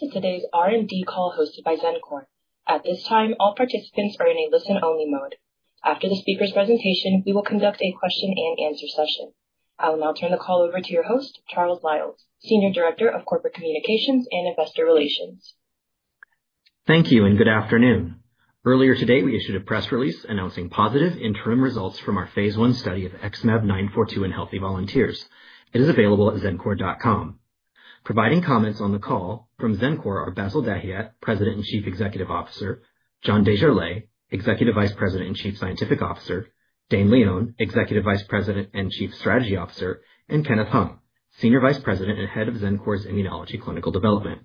Welcome to today's R&D call hosted by Xencor. At this time, all participants are in a listen-only mode. After the speaker's presentation, we will conduct a question-and-answer session. I will now turn the call over to your host, Charles Liles, Senior Director of Corporate Communications and Investor Relations. Thank you, and good afternoon. Earlier today, we issued a press release announcing positive interim results from our phase I study of XmAb942 in healthy volunteers. It is available at xencor.com. Providing comments on the call from Xencor are Bassil Dahiyat, President and Chief Executive Officer; John Desjarlais, Executive Vice President and Chief Scientific Officer; Dane Leone, Executive Vice President and Chief Strategy Officer; and Kenneth Hung, Senior Vice President and Head of Immunology Clinical Development.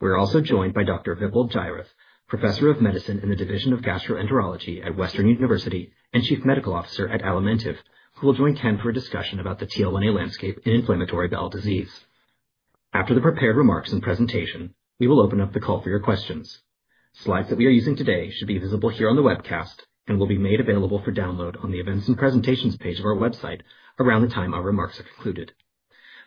We are also joined by Dr. Vipul Jairath, Professor of Medicine in the Division of Gastroenterology at Western University and Chief Medical Officer at Alimentiv, who will join Ken for a discussion about the TL1A landscape in inflammatory bowel disease. After the prepared remarks and presentation, we will open up the call for your questions. Slides that we are using today should be visible here on the webcast and will be made available for download on the Events and Presentations page of our website around the time our remarks are concluded.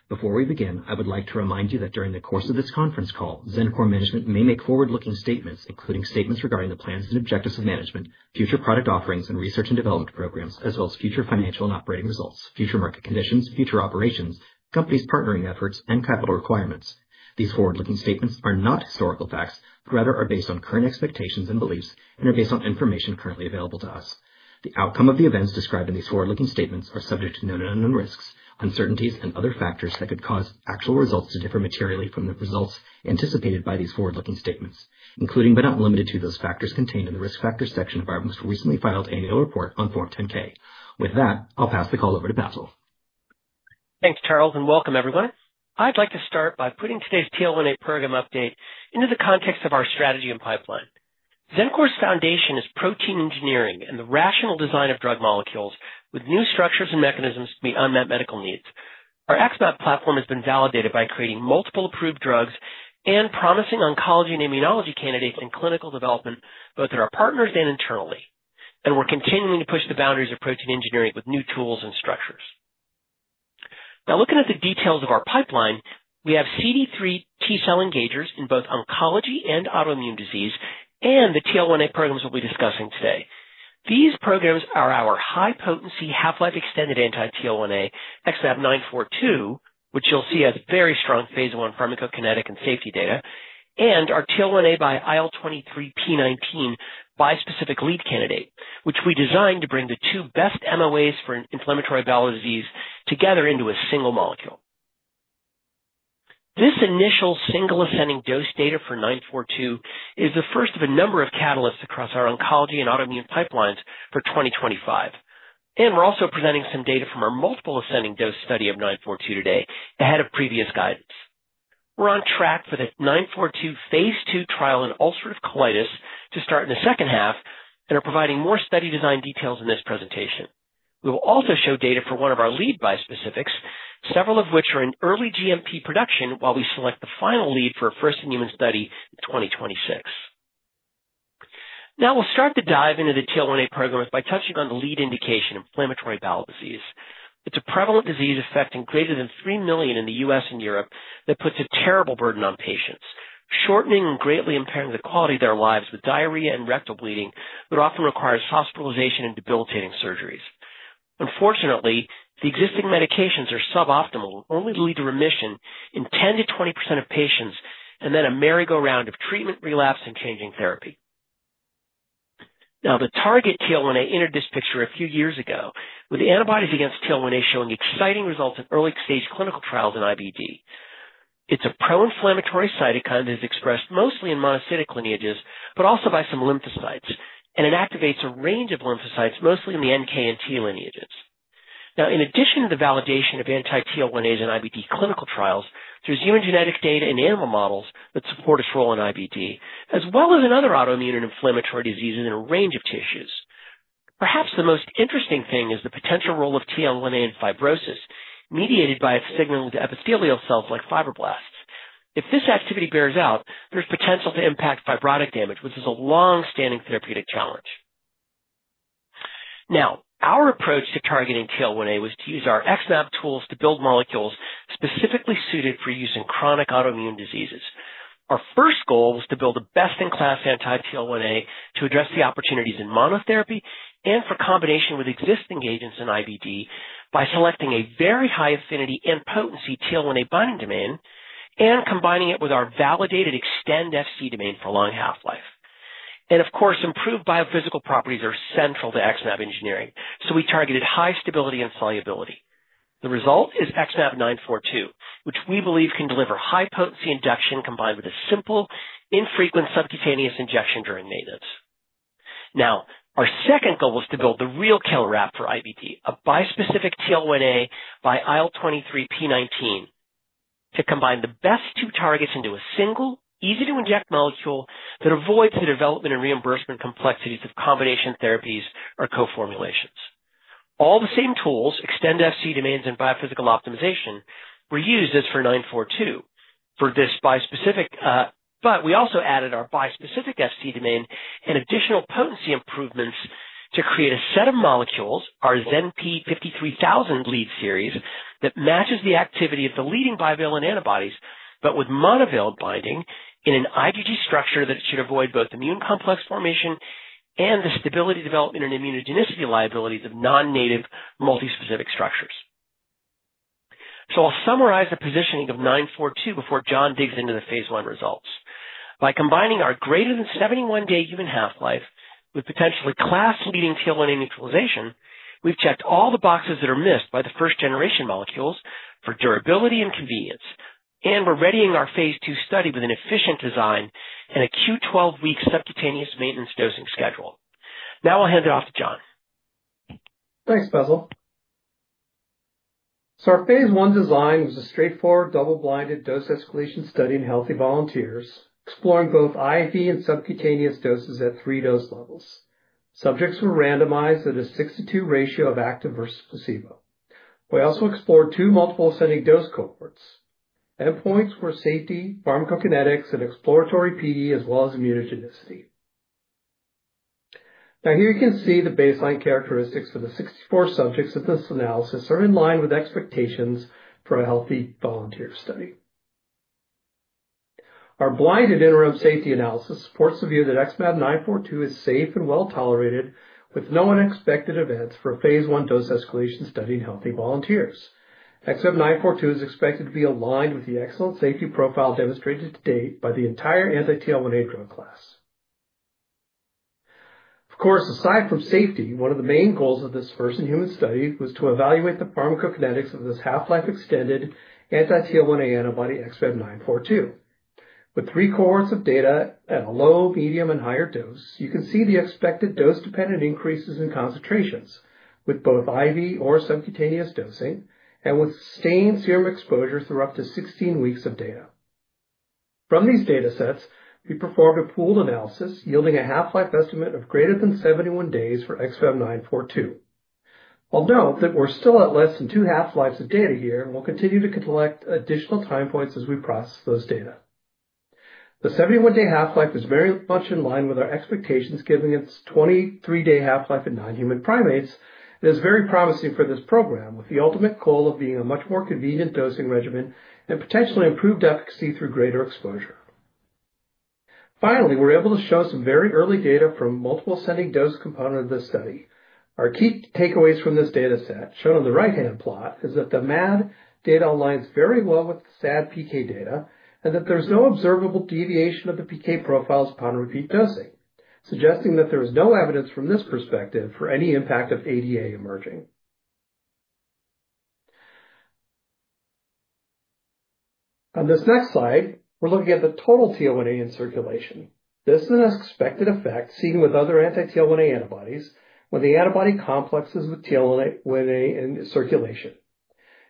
Before we begin, I would like to remind you that during the course of this conference call, Xencor management may make forward-looking statements, including statements regarding the plans and objectives of management, future product offerings and research and development programs, as well as future financial and operating results, future market conditions, future operations, companies' partnering efforts, and capital requirements. These forward-looking statements are not historical facts, but rather are based on current expectations and beliefs and are based on information currently available to us. The outcome of the events described in these forward-looking statements is subject to known and unknown risks, uncertainties, and other factors that could cause actual results to differ materially from the results anticipated by these forward-looking statements, including but not limited to those factors contained in the risk factors section of our most recently filed annual report on Form 10-K. With that, I'll pass the call over to Bassil. Thanks, Charles, and welcome, everyone. I'd like to start by putting today's TL1A program update into the context of our strategy and pipeline. Xencor's foundation is protein engineering and the rational design of drug molecules with new structures and mechanisms to meet unmet medical needs. Our XmAb platform has been validated by creating multiple approved drugs and promising oncology and immunology candidates in clinical development, both at our partners and internally. We're continuing to push the boundaries of protein engineering with new tools and structures. Now, looking at the details of our pipeline, we have CD3 T-cell engagers in both oncology and autoimmune disease and the TL1A programs we'll be discussing today. These programs are our high-potency, half-life extended anti-TL1A XmAb942, which you'll see has very strong phase I pharmacokinetic and safety data, and our TL1A by IL-23p19 bispecific lead candidate, which we designed to bring the two best MOAs for inflammatory bowel disease together into a single molecule. This initial single ascending dose data for 942 is the first of a number of catalysts across our oncology and autoimmune pipelines for 2025. We're also presenting some data from our multiple ascending dose study of 942 today, ahead of previous guidance. We're on track for the 942 phase II trial in ulcerative colitis to start in the second half and are providing more study design details in this presentation. We will also show data for one of our lead bispecifics, several of which are in early GMP production while we select the final lead for a first-in-human study in 2026. Now, we'll start the dive into the TL1A programs by touching on the lead indication, inflammatory bowel disease. It's a prevalent disease affecting greater than 3 million in the U.S. and Europe that puts a terrible burden on patients, shortening and greatly impairing the quality of their lives with diarrhea and rectal bleeding that often requires hospitalization and debilitating surgeries. Unfortunately, the existing medications are suboptimal, only to lead to remission in 10%-20% of patients and then a merry-go-round of treatment, relapse, and changing therapy. Now, the target TL1A entered this picture a few years ago, with antibodies against TL1A showing exciting results in early-stage clinical trials in IBD. It's a pro-inflammatory cytokine that is expressed mostly in monocytic lineages, but also by some lymphocytes, and it activates a range of lymphocytes, mostly in the NK and T lineages. Now, in addition to the validation of anti-TL1As in IBD clinical trials, there's human genetic data and animal models that support its role in IBD, as well as in other autoimmune and inflammatory diseases in a range of tissues. Perhaps the most interesting thing is the potential role of TL1A in fibrosis, mediated by its signaling to epithelial cells like fibroblasts. If this activity bears out, there's potential to impact fibrotic damage, which is a long-standing therapeutic challenge. Now, our approach to targeting TL1A was to use our XmAb tools to build molecules specifically suited for use in chronic autoimmune diseases. Our first goal was to build a best-in-class anti-TL1A to address the opportunities in monotherapy and for combination with existing agents in IBD by selecting a very high affinity and potency TL1A binding domain and combining it with our validated Xtend Fc domain for long half-life. Of course, improved biophysical properties are central to XmAb engineering, so we targeted high stability and solubility. The result is XmAb942, which we believe can deliver high-potency induction combined with a simple, infrequent subcutaneous injection during maintenance. Our second goal was to build the real killer app for IBD, a bispecific TL1A by IL-23p19, to combine the best two targets into a single, easy-to-inject molecule that avoids the development and reimbursement complexities of combination therapies or co-formulations. All the same tools, extend Fc domains and biophysical optimization, were used as for 942 for this bispecific, but we also added our bispecific Fc domain and additional potency improvements to create a set of molecules, our ZenP 53,000 lead series, that matches the activity of the leading bivalent antibodies, but with monovalent binding in an IgG structure that should avoid both immune complex formation and the stability development and immunogenicity liabilities of non-native multispecific structures. I'll summarize the positioning of 942 before John digs into the phase I results. By combining our greater than 71-day human half-life with potentially class-leading TL1A neutralization, we've checked all the boxes that are missed by the first-generation molecules for durability and convenience, and we're readying our phase II study with an efficient design and a Q12-week subcutaneous maintenance dosing schedule. Now I'll hand it off to John. Thanks, Bassil. Our phase I design was a straightforward double-blinded dose escalation study in healthy volunteers, exploring both IV and subcutaneous doses at three dose levels. Subjects were randomized at a 6:2 ratio of active versus placebo. We also explored two multiple ascending dose cohorts. Endpoints were safety, pharmacokinetics, and exploratory PD, as well as immunogenicity. Here you can see the baseline characteristics of the 64 subjects of this analysis are in line with expectations for a healthy volunteer study. Our blinded interim safety analysis supports the view that XmAb942 is safe and well tolerated with no unexpected events for a phase I dose escalation study in healthy volunteers. XmAb942 is expected to be aligned with the excellent safety profile demonstrated to date by the entire anti-TL1A drug class. Of course, aside from safety, one of the main goals of this first-in-human study was to evaluate the pharmacokinetics of this half-life extended anti-TL1A antibody XmAb942. With three cohorts of data at a low, medium, and higher dose, you can see the expected dose-dependent increases in concentrations with both IV or subcutaneous dosing and with sustained serum exposure through up to 16 weeks of data. From these data sets, we performed a pooled analysis yielding a half-life estimate of greater than 71 days for XmAb942. I'll note that we're still at less than two half-lives of data here, and we'll continue to collect additional time points as we process those data. The 71-day half-life is very much in line with our expectations, given its 23-day half-life in non-human primates, and is very promising for this program, with the ultimate goal of being a much more convenient dosing regimen and potentially improved efficacy through greater exposure. Finally, we're able to show some very early data from multiple ascending dose components of this study. Our key takeaways from this data set, shown on the right-hand plot, is that the MAD data aligns very well with the SAD PK data and that there's no observable deviation of the PK profiles upon repeat dosing, suggesting that there is no evidence from this perspective for any impact of ADA emerging. On this next slide, we're looking at the total TL1A in circulation. This is an expected effect seen with other anti-TL1A antibodies when the antibody complex is with TL1A in circulation.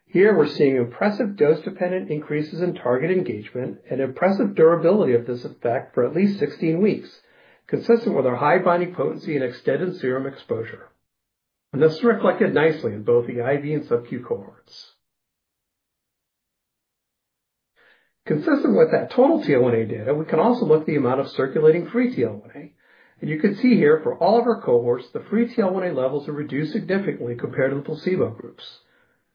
Here, we're seeing impressive dose-dependent increases in target engagement and impressive durability of this effect for at least 16 weeks, consistent with our high binding potency and extended serum exposure. This is reflected nicely in both the IV and subcu cohorts. Consistent with that total TL1A data, we can also look at the amount of circulating free TL1A. You can see here, for all of our cohorts, the free TL1A levels have reduced significantly compared to the placebo groups.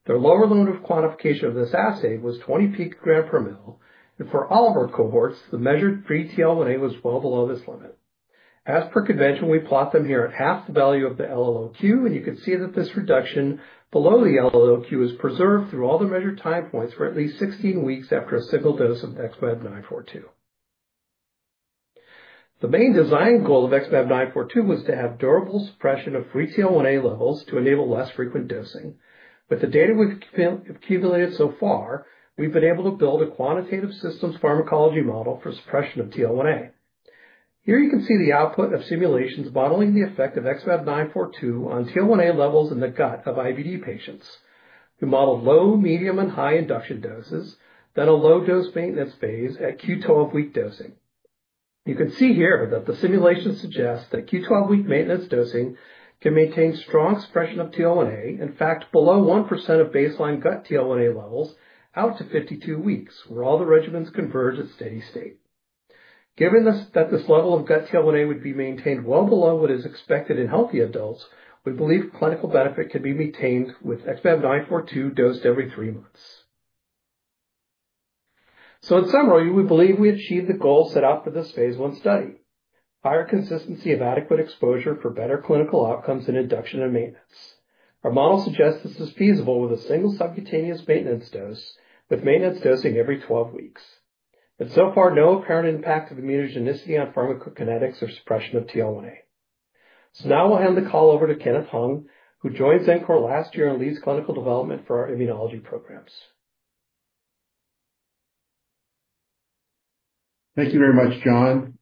The lower limit of quantification of this assay was 20 pg/mL, and for all of our cohorts, the measured free TL1A was well below this limit. As per convention, we plot them here at half the value of the LLOQ, and you can see that this reduction below the LLOQ is preserved through all the measured time points for at least 16 weeks after a single dose of XmAb942. The main design goal of XmAb942 was to have durable suppression of free TL1A levels to enable less frequent dosing. With the data we've accumulated so far, we've been able to build a quantitative systems pharmacology model for suppression of TL1A. Here you can see the output of simulations modeling the effect of XmAb942 on TL1A levels in the gut of IBD patients. We modeled low, medium, and high induction doses, then a low-dose maintenance phase at Q12-week dosing. You can see here that the simulation suggests that Q12-week maintenance dosing can maintain strong suppression of TL1A, in fact, below 1% of baseline gut TL1A levels out to 52 weeks, where all the regimens converge at steady state. Given that this level of gut TL1A would be maintained well below what is expected in healthy adults, we believe clinical benefit could be maintained with XmAb942 dosed every three months. In summary, we believe we achieved the goal set out for this phase I study: higher consistency of adequate exposure for better clinical outcomes in induction and maintenance. Our model suggests this is feasible with a single subcutaneous maintenance dose, with maintenance dosing every 12 weeks. So far, no apparent impact of immunogenicity on pharmacokinetics or suppression of TL1A. Now I'll hand the call over to Kenneth Hung, who joined Xencor last year and leads clinical development for our immunology programs. Thank you very much, John.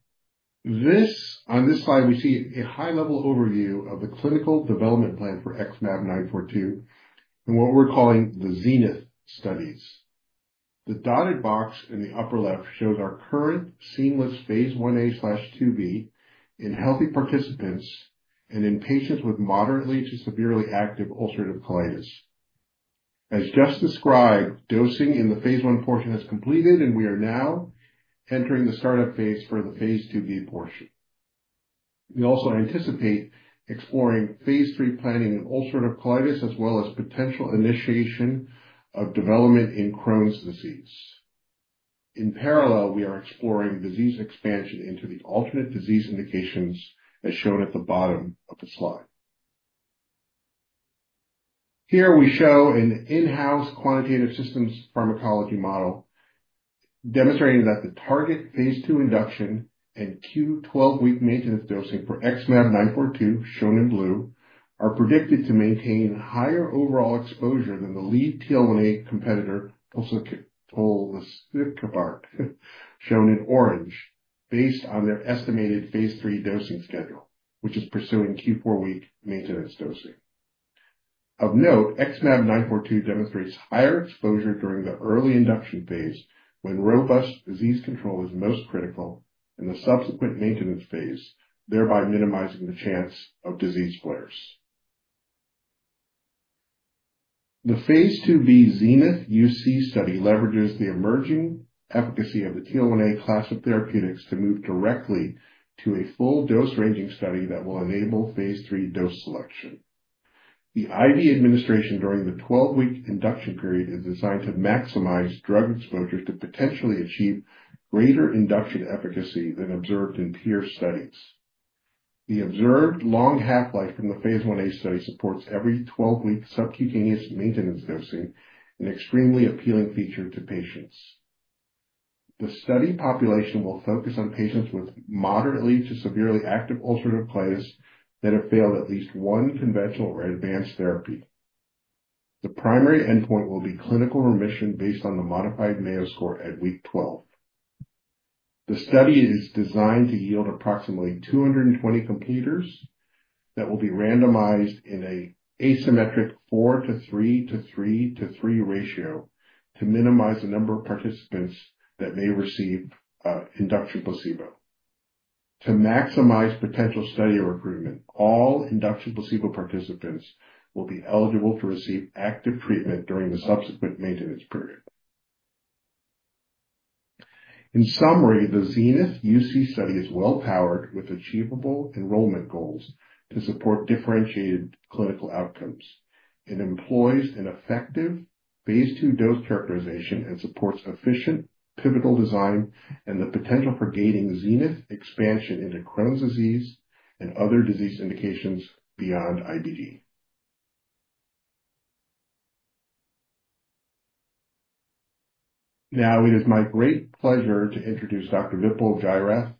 On this slide, we see a high-level overview of the clinical development plan for XmAb942 and what we're calling the XENITH studies. The dotted box in the upper left shows our current seamless phase Ia/IIb in healthy participants and in patients with moderately to severely active ulcerative colitis. As just described, dosing in the phase I portion has completed, and we are now entering the startup phase for the phase IIb portion. We also anticipate exploring phase III planning in ulcerative colitis as well as potential initiation of development in Crohn's disease. In parallel, we are exploring disease expansion into the alternate disease indications as shown at the bottom of the slide. Here we show an in-house quantitative systems pharmacology model demonstrating that the target phase II induction and Q12-week maintenance dosing for XmAb942, shown in blue, are predicted to maintain higher overall exposure than the lead TL1A competitor, tocilizumab, shown in orange, based on their estimated phase III dosing schedule, which is pursuing Q4-week maintenance dosing. Of note, XmAb942 demonstrates higher exposure during the early induction phase when robust disease control is most critical in the subsequent maintenance phase, thereby minimizing the chance of disease flares. The phase IIb XENITH UC study leverages the emerging efficacy of the TL1A class of therapeutics to move directly to a full dose-ranging study that will enable phase III dose selection. The IV administration during the 12-week induction period is designed to maximize drug exposure to potentially achieve greater induction efficacy than observed in peer studies. The observed long half-life from the phase IA study supports every 12-week subcutaneous maintenance dosing, an extremely appealing feature to patients. The study population will focus on patients with moderately to severely active ulcerative colitis that have failed at least one conventional or advanced therapy. The primary endpoint will be clinical remission based on the modified Mayo score at week 12. The study is designed to yield approximately 220 completers that will be randomized in an asymmetric four to three to three to three ratio to minimize the number of participants that may receive induction placebo. To maximize potential study recruitment, all induction placebo participants will be eligible to receive active treatment during the subsequent maintenance period. In summary, the XENITH UC study is well-powered with achievable enrollment goals to support differentiated clinical outcomes. It employs an effective phase II dose characterization and supports efficient pivotal design and the potential for gating XENITH expansion into Crohn's disease and other disease indications beyond IBD. Now, it is my great pleasure to introduce Dr. Vipul Jairath,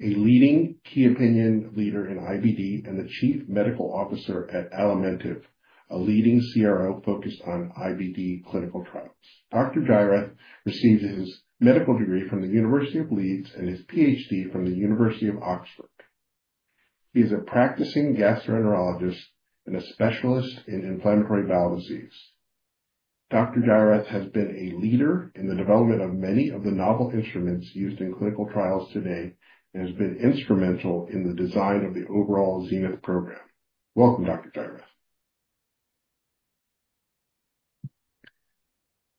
a leading key opinion leader in IBD and the Chief Medical Officer at Alimentiv, a leading CRO focused on IBD clinical trials. Dr. Jairath received his medical degree from the University of Leeds and his Ph.D. from the University of Oxford. He is a practicing gastroenterologist and a specialist in inflammatory bowel disease. Dr. Jairath has been a leader in the development of many of the novel instruments used in clinical trials today and has been instrumental in the design of the overall XENITH program. Welcome, Dr. Jairath.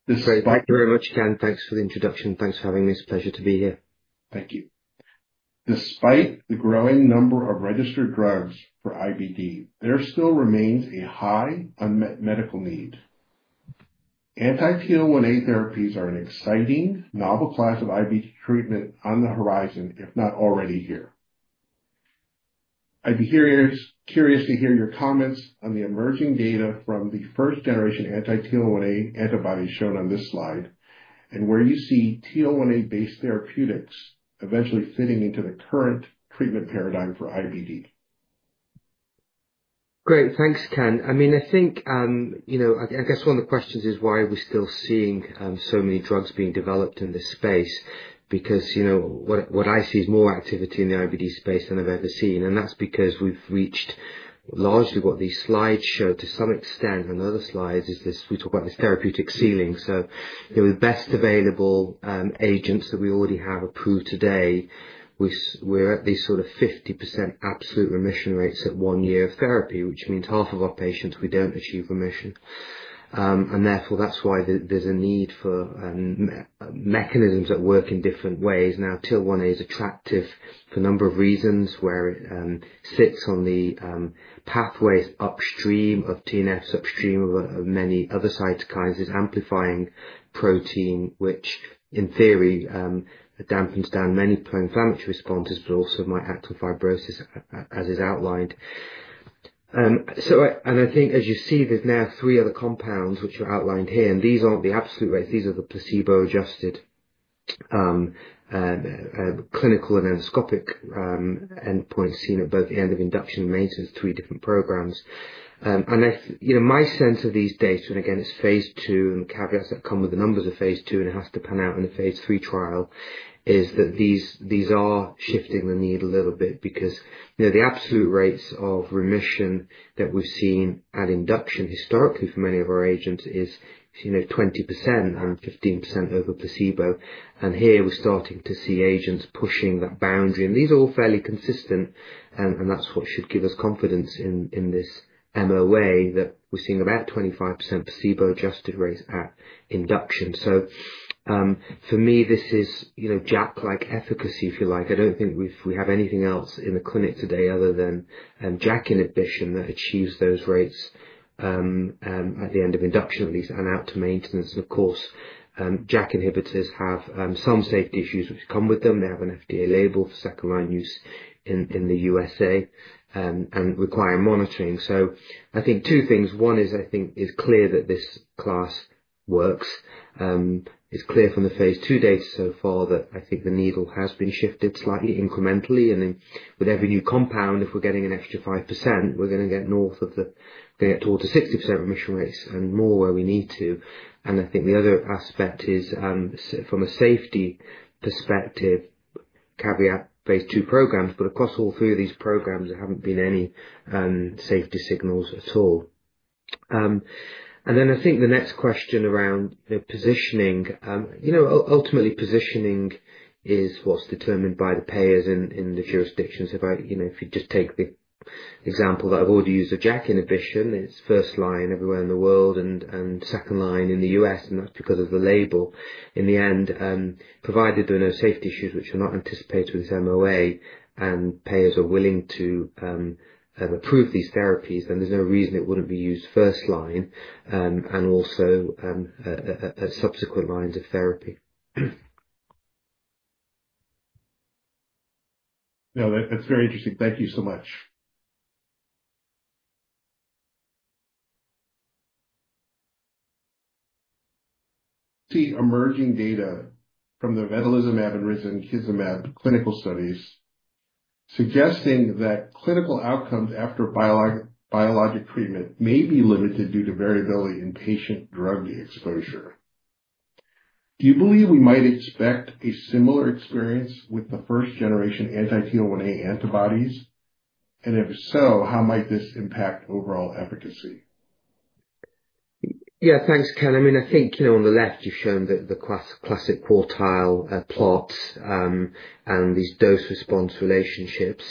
Thank you very much, Ken. Thanks for the introduction. Thanks for having me. It's a pleasure to be here. Thank you. Despite the growing number of registered drugs for IBD, there still remains a high unmet medical need. Anti-TL1A therapies are an exciting, novel class of IBD treatment on the horizon, if not already here. I'd be curious to hear your comments on the emerging data from the first-generation anti-TL1A antibodies shown on this slide and where you see TL1A-based therapeutics eventually fitting into the current treatment paradigm for IBD. Great. Thanks, Ken. I mean, I think, you know, I guess one of the questions is why we're still seeing so many drugs being developed in this space, because, you know, what I see is more activity in the IBD space than I've ever seen. That's because we've reached largely what these slides show to some extent. Other slides show this, we talk about this therapeutic ceiling. The best available agents that we already have approved today, we're at these sort of 50% absolute remission rates at one year of therapy, which means half of our patients, we don't achieve remission. Therefore, that's why there's a need for mechanisms that work in different ways. Now, TL1A is attractive for a number of reasons where it sits on the pathways upstream of TNFs, upstream of many other cytokines, is amplifying protein, which in theory dampens down many pro-inflammatory responses, but also might act on fibrosis, as is outlined. I think, as you see, there's now three other compounds which are outlined here. These aren't the absolute rates. These are the placebo-adjusted clinical and endoscopic endpoints seen at both the end of induction and maintenance, three different programs. My sense of these dates, and again, it's phase II and the caveats that come with the numbers of phase II, and it has to pan out in a phase III trial, is that these are shifting the need a little bit because the absolute rates of remission that we've seen at induction historically for many of our agents is 20% and 15% over placebo. Here, we're starting to see agents pushing that boundary. These are all fairly consistent, and that's what should give us confidence in this MOA that we're seeing about 25% placebo-adjusted rates at induction. For me, this is JAK-like efficacy, if you like. I don't think we have anything else in the clinic today other than JAK inhibition that achieves those rates at the end of induction, at least, and out to maintenance. JAK inhibitors have some safety issues which come with them. They have an FDA label for second-line use in the U.S.A. and require monitoring. I think two things. One is, I think, it's clear that this class works. It's clear from the phase II data so far that I think the needle has been shifted slightly incrementally. With every new compound, if we're getting an extra 5%, we're going to get north of the, going to get towards the 60% remission rates and more where we need to. I think the other aspect is, from a safety perspective, caveat: phase II programs, but across all three of these programs, there haven't been any safety signals at all. I think the next question around positioning, ultimately, positioning is what's determined by the payers in the jurisdictions. If you just take the example that I've already used of JAK inhibition, it's first line everywhere in the world and second line in the U.S., and that's because of the label. In the end, provided there are no safety issues which are not anticipated with this MOA and payers are willing to approve these therapies, then there's no reason it wouldn't be used first line and also subsequent lines of therapy. No, that's very interesting. Thank you so much. See emerging data from the vedolizumab, abrilumab, and KHK4083 clinical studies suggesting that clinical outcomes after biologic treatment may be limited due to variability in patient drug exposure. Do you believe we might expect a similar experience with the first-generation anti-TL1A antibodies? If so, how might this impact overall efficacy? Yeah, thanks, Ken. I mean, I think on the left, you've shown the classic quartile plot and these dose-response relationships.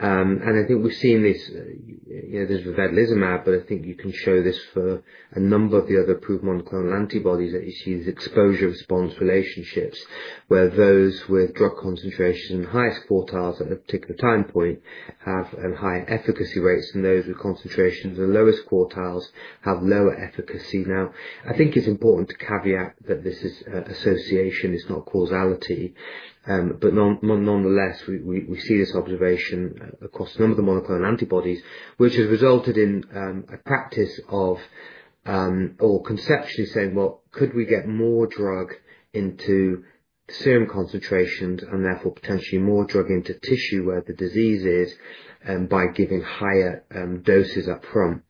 I think we've seen this. There's the vedolizumab, but I think you can show this for a number of the other proven monoclonal antibodies that you see these exposure-response relationships where those with drug concentrations in the highest quartiles at a particular time point have higher efficacy rates, and those with concentrations in the lowest quartiles have lower efficacy. Now, I think it's important to caveat that this association is not causality, but nonetheless, we see this observation across a number of the monoclonal antibodies, which has resulted in a practice of, or conceptually saying, could we get more drug into serum concentrations and therefore potentially more drug into tissue where the disease is by giving higher doses upfront?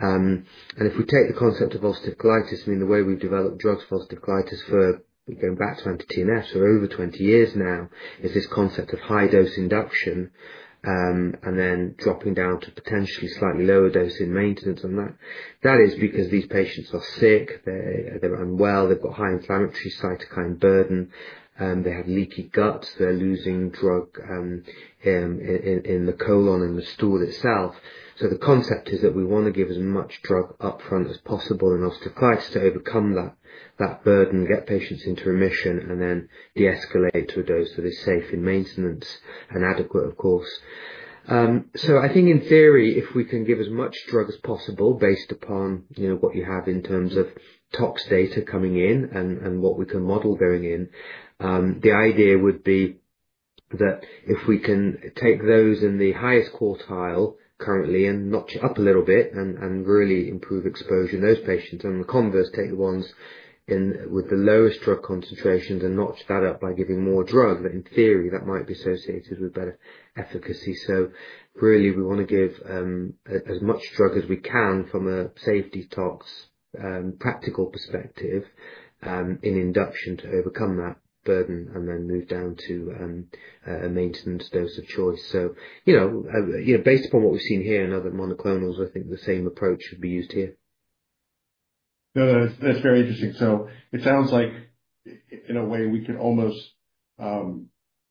If we take the concept of ulcerative colitis, I mean, the way we've developed drugs for ulcerative colitis for going back to anti-TNFs for over 20 years now is this concept of high-dose induction and then dropping down to potentially slightly lower dose in maintenance on that. That is because these patients are sick, they're unwell, they've got high inflammatory cytokine burden, they have leaky guts, they're losing drug in the colon and the stool itself. The concept is that we want to give as much drug upfront as possible in ulcerative colitis to overcome that burden, get patients into remission, and then de-escalate to a dose that is safe in maintenance and adequate, of course. I think in theory, if we can give as much drug as possible based upon what you have in terms of tox data coming in and what we can model going in, the idea would be that if we can take those in the highest quartile currently and notch up a little bit and really improve exposure in those patients, and the converse, take the ones with the lowest drug concentrations and notch that up by giving more drug, that in theory, that might be associated with better efficacy. Really, we want to give as much drug as we can from a safety-tox practical perspective in induction to overcome that burden and then move down to a maintenance dose of choice. Based upon what we've seen here in other monoclonals, I think the same approach should be used here. No, that's very interesting. It sounds like, in a way, we could almost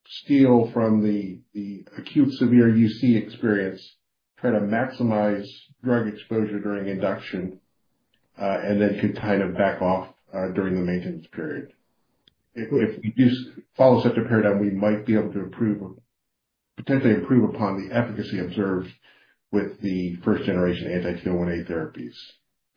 steal from the acute severe UC experience, try to maximize drug exposure during induction, and then could kind of back off during the maintenance period. If we just follow such a paradigm, we might be able to potentially improve upon the efficacy observed with the first-generation anti-TL1A therapies.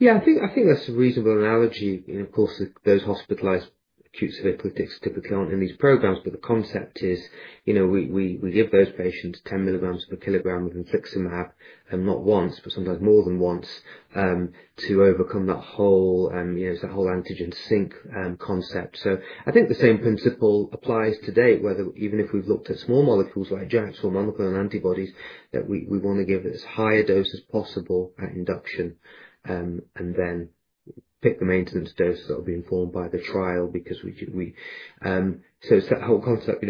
Yeah, I think that's a reasonable analogy. Of course, those hospitalized acute severe critics typically aren't in these programs, but the concept is we give those patients 10 mg per kg of infliximab, and not once, but sometimes more than once, to overcome that whole antigen sink concept. I think the same principle applies today, even if we've looked at small molecules like JAKs or monoclonal antibodies, that we want to give as high a dose as possible at induction and then pick the maintenance dose that will be informed by the trial because it's that whole concept,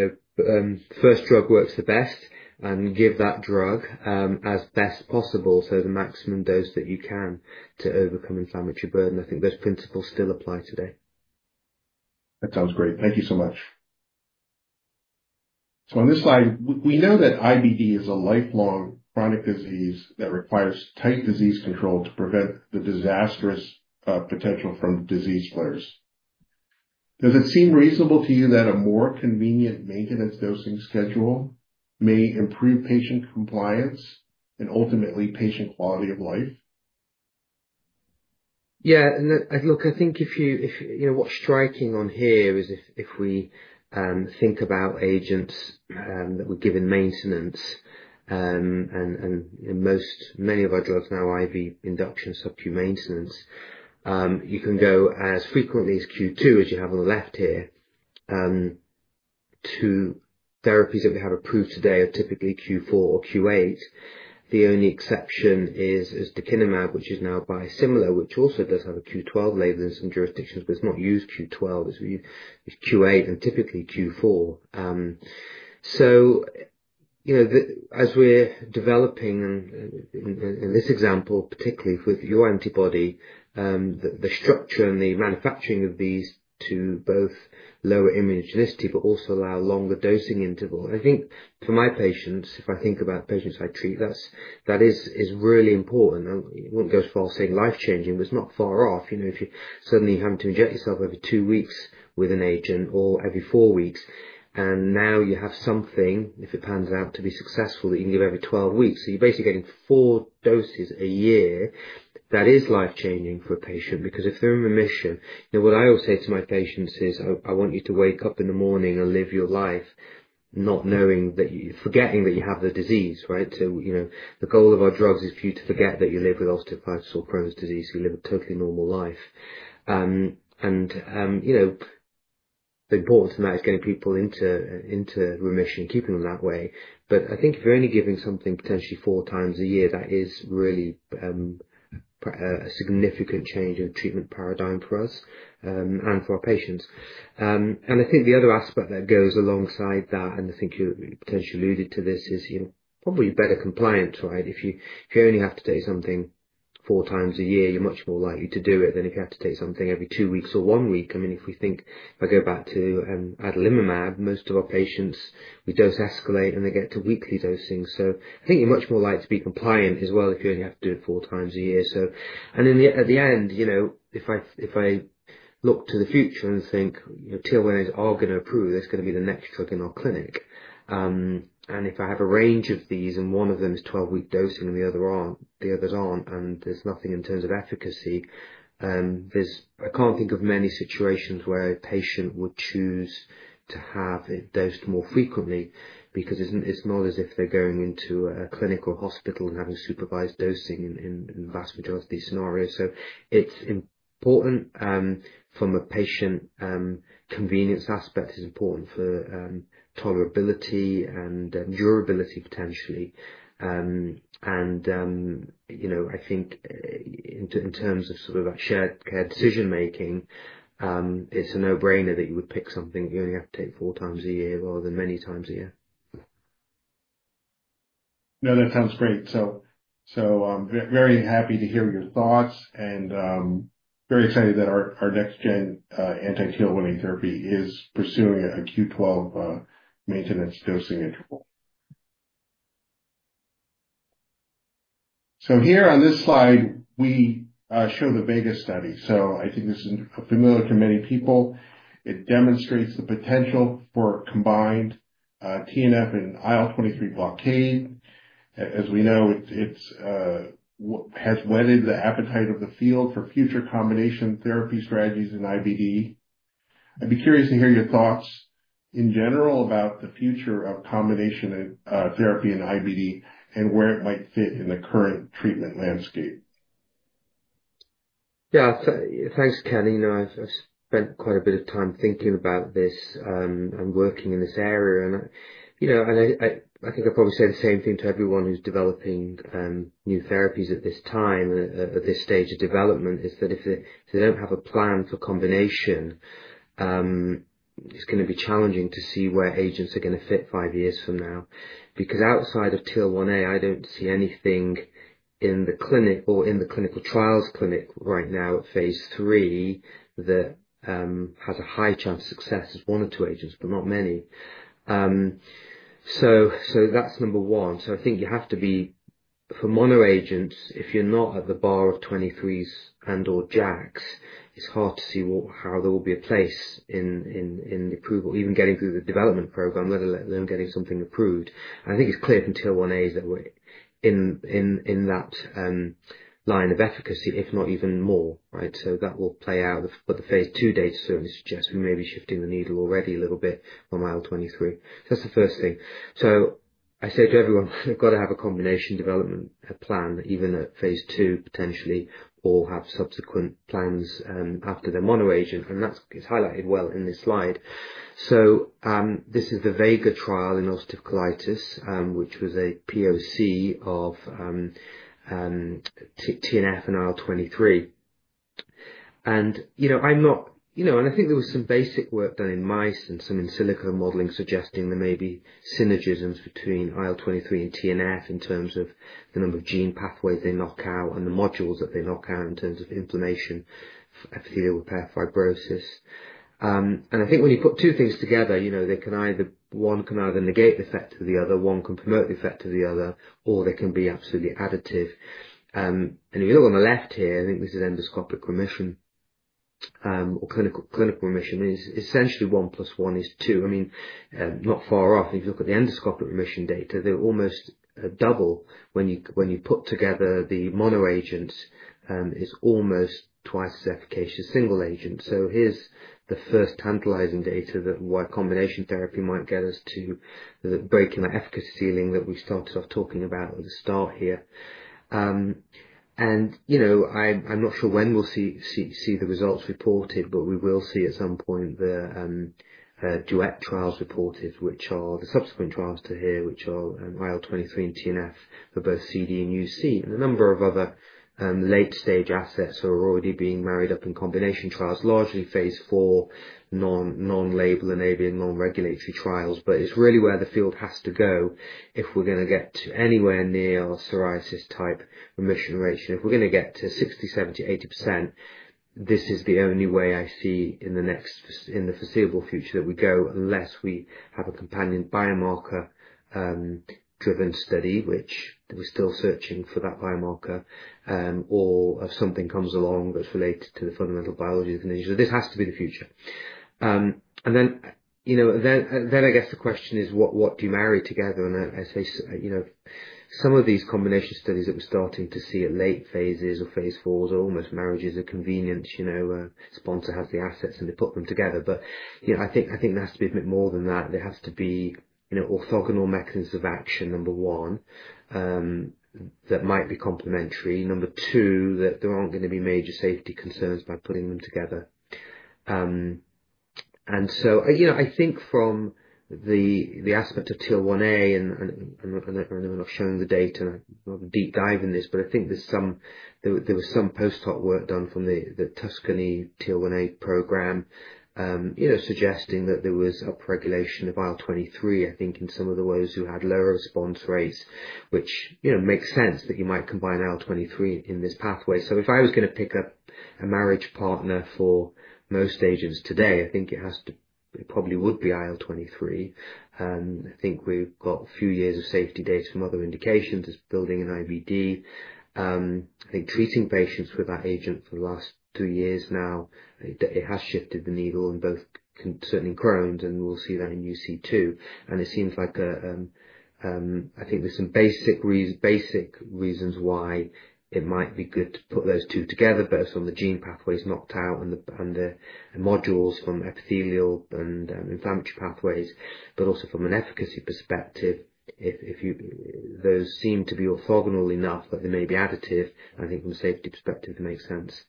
first drug works the best, and give that drug as best possible, so the maximum dose that you can to overcome inflammatory burden. I think those principles still apply today. That sounds great. Thank you so much. On this slide, we know that IBD is a lifelong chronic disease that requires tight disease control to prevent the disastrous potential from disease flares. Does it seem reasonable to you that a more convenient maintenance dosing schedule may improve patient compliance and ultimately patient quality of life? Yeah. Look, I think if you, what's striking on here is if we think about agents that we give in maintenance, and most, many of our drugs now are IV induction, subcutaneous maintenance, you can go as frequently as Q2, as you have on the left here, to therapies that we have approved today are typically Q4 or Q8. The only exception is dacinumab, which is now biosimilar, which also does have a Q12 label in some jurisdictions, but it's not used Q12. It's Q8 and typically Q4. As we're developing, in this example, particularly with your antibody, the structure and the manufacturing of these to both lower immunogenicity, but also allow longer dosing interval. I think for my patients, if I think about patients I treat, that is really important. I wouldn't go as far as saying life-changing, but it's not far off. If you suddenly haven't injected yourself every two weeks with an agent or every four weeks, and now you have something, if it pans out to be successful, that you can give every 12 weeks, so you're basically getting four doses a year, that is life-changing for a patient because if they're in remission, what I always say to my patients is, "I want you to wake up in the morning and live your life not knowing that you're forgetting that you have the disease," right? The goal of our drugs is for you to forget that you live with ulcerative colitis or Crohn's disease, you live a totally normal life. The importance of that is getting people into remission and keeping them that way. I think if you're only giving something potentially four times a year, that is really a significant change in treatment paradigm for us and for our patients. I think the other aspect that goes alongside that, and I think you potentially alluded to this, is probably better compliance, right? If you only have to take something four times a year, you're much more likely to do it than if you have to take something every two weeks or one week. I mean, if we think, if I go back to adalimumab, most of our patients, we dose escalate and they get to weekly dosing. I think you're much more likely to be compliant as well if you only have to do it four times a year. If I look to the future and think, "TL1As are going to improve, that's going to be the next drug in our clinic." If I have a range of these and one of them is 12-week dosing and the others aren't, and there's nothing in terms of efficacy, I can't think of many situations where a patient would choose to have it dosed more frequently because it's not as if they're going into a clinic or hospital and having supervised dosing in the vast majority of these scenarios. It is important from a patient convenience aspect, it is important for tolerability and durability, potentially. I think in terms of sort of that shared care decision-making, it's a no-brainer that you would pick something that you only have to take four times a year rather than many times a year. No, that sounds great. Very happy to hear your thoughts and very excited that our next-gen anti-TL1A therapy is pursuing a Q12 maintenance dosing interval. Here on this slide, we show the VEGA study. I think this is familiar to many people. It demonstrates the potential for combined TNF and IL-23 blockade. As we know, it has wetted the appetite of the field for future combination therapy strategies in IBD. I'd be curious to hear your thoughts in general about the future of combination therapy in IBD and where it might fit in the current treatment landscape. Yeah. Thanks, Ken. I've spent quite a bit of time thinking about this and working in this area. I think I probably say the same thing to everyone who's developing new therapies at this time, at this stage of development, is that if they don't have a plan for combination, it's going to be challenging to see where agents are going to fit five years from now. Because outside of TL1A, I don't see anything in the clinic or in the clinical trials clinic right now at phase three that has a high chance of success. It's one or two agents, but not many. That's number one. I think you have to be for monoagents, if you're not at the bar of 23s and/or JAKs, it's hard to see how there will be a place in the approval, even getting through the development program, let alone getting something approved. I think it's clear from TL1As that we're in that line of efficacy, if not even more, right? That will play out. The phase two data certainly suggests we may be shifting the needle already a little bit on IL-23. That's the first thing. I say to everyone, we've got to have a combination development plan, even at phase two, potentially, or have subsequent plans after the monoagent. That's highlighted well in this slide. This is the VEGA trial in ulcerative colitis, which was a POC of TNF and IL-23. I'm not, and I think there was some basic work done in mice and some in silico modeling suggesting there may be synergisms between IL-23 and TNF in terms of the number of gene pathways they knock out and the modules that they knock out in terms of inflammation, epithelial repair, fibrosis. I think when you put two things together, they can either, one can either negate the effect of the other, one can promote the effect of the other, or they can be absolutely additive. If you look on the left here, I think this is endoscopic remission or clinical remission. Essentially, one plus one is two. I mean, not far off. If you look at the endoscopic remission data, they're almost double. When you put together the monoagents, it's almost twice as efficacious as single agents. Here's the first tantalizing data that why combination therapy might get us to breaking the efficacy ceiling that we started off talking about at the start here. I'm not sure when we'll see the results reported, but we will see at some point the duet trials reported, which are the subsequent trials to here, which are IL-23 and TNF for both CD and UC, and a number of other late-stage assets that are already being married up in combination trials, largely phase four, non-label enabling, non-regulatory trials. It's really where the field has to go if we're going to get anywhere near a psoriasis-type remission ratio. If we're going to get to 60%, 70%, 80%, this is the only way I see in the foreseeable future that we go, unless we have a companion biomarker-driven study, which we're still searching for that biomarker, or if something comes along that's related to the fundamental biology of the condition. This has to be the future. I guess the question is, what do you marry together? I say some of these combination studies that we're starting to see at late phases or phase fours are almost marriages of convenience, sponsor has the assets and they put them together. I think there has to be a bit more than that. There have to be orthogonal mechanisms of action, number one, that might be complementary. Number two, that there are not going to be major safety concerns by putting them together. I think from the aspect of TL1A, and I know we're not showing the data, not a deep dive in this, but I think there was some post-hoc work done from the Tuscany TL1A program suggesting that there was upregulation of IL-23, I think, in some of the ways who had lower response rates, which makes sense that you might combine IL-23 in this pathway. If I was going to pick up a marriage partner for most agents today, I think it probably would be IL-23. I think we've got a few years of safety data from other indications as building in IBD. I think treating patients with that agent for the last three years now, it has shifted the needle in both certainly Crohn's, and we'll see that in UC too. I think there's some basic reasons why it might be good to put those two together, both from the gene pathways knocked out and the modules from epithelial and inflammatory pathways, but also from an efficacy perspective, if those seem to be orthogonal enough that they may be additive, I think from a safety perspective, it makes sense.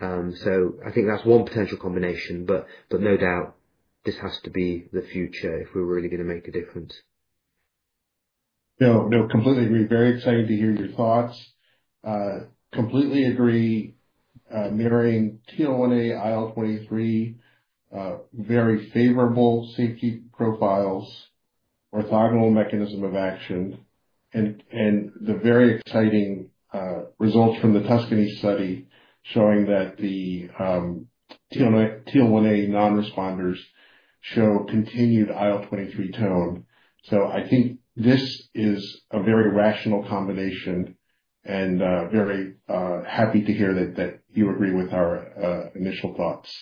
I think that's one potential combination, but no doubt this has to be the future if we're really going to make a difference. No, no, completely agree. Very excited to hear your thoughts. Completely agree. Mirroring TL1A, IL-23, very favorable safety profiles, orthogonal mechanism of action, and the very exciting results from the Tuscany study showing that the TL1A non-responders show continued IL-23 tone. I think this is a very rational combination and very happy to hear that you agree with our initial thoughts.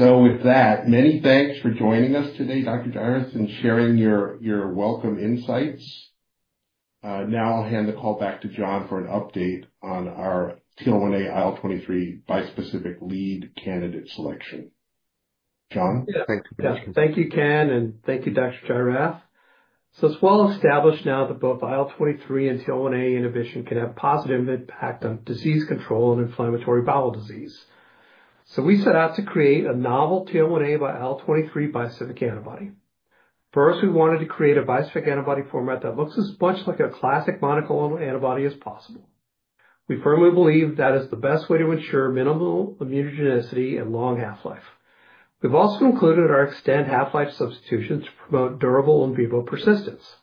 With that, many thanks for joining us today, Dr. Jairath, and sharing your welcome insights. Now I'll hand the call back to John for an update on our TL1A, IL-23 bispecific lead candidate selection. John? Yeah. Thank you, Ken. Thank you, Dr. Jairath. It is well established now that both IL-23 and TL1A inhibition can have positive impact on disease control in inflammatory bowel disease. We set out to create a novel TL1A by IL-23 bispecific antibody. First, we wanted to create a bispecific antibody format that looks as much like a classic monoclonal antibody as possible. We firmly believe that is the best way to ensure minimal immunogenicity and long half-life. We have also included our extended half-life substitutions to promote durable in vivo persistence.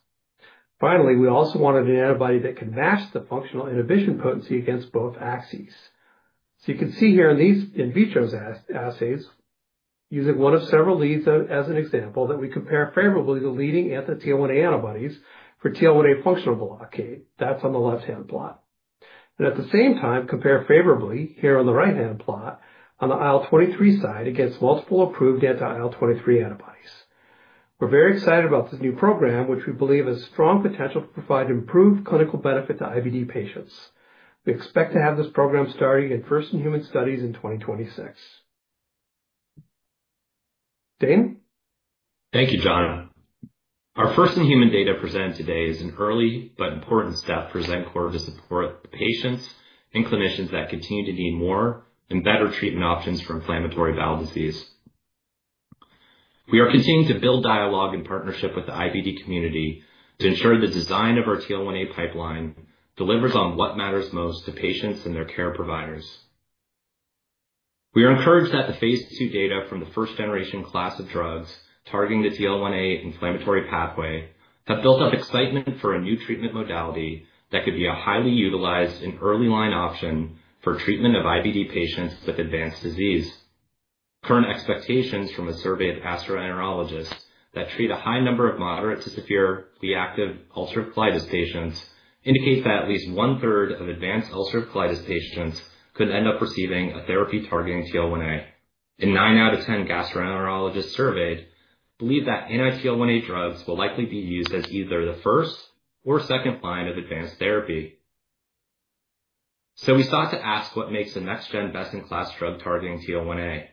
Finally, we also wanted an antibody that can match the functional inhibition potency against both axes. You can see here in these in vitro assays, using one of several leads as an example, that we compare favorably to the leading anti-TL1A antibodies for TL1A functional blockade. That is on the left-hand plot. At the same time, compare favorably here on the right-hand plot on the IL-23 side against multiple approved anti-IL-23 antibodies. We're very excited about this new program, which we believe has strong potential to provide improved clinical benefit to IBD patients. We expect to have this program starting in first-in-human studies in 2026. Dane? Thank you, John. Our first-in-human data presented today is an early but important step for Xencor to support patients and clinicians that continue to need more and better treatment options for inflammatory bowel disease. We are continuing to build dialogue in partnership with the IBD community to ensure the design of our TL1A pipeline delivers on what matters most to patients and their care providers. We are encouraged that the phase two data from the first-generation class of drugs targeting the TL1A inflammatory pathway have built up excitement for a new treatment modality that could be a highly utilized and early line option for treatment of IBD patients with advanced disease. Current expectations from a survey of gastroenterologists that treat a high number of moderate to severe reactive ulcerative colitis patients indicate that at least one-third of advanced ulcerative colitis patients could end up receiving a therapy targeting TL1A. Nine out of ten gastroenterologists surveyed believe that anti-TL1A drugs will likely be used as either the first or second line of advanced therapy. We sought to ask what makes the next-gen best-in-class drug targeting TL1A.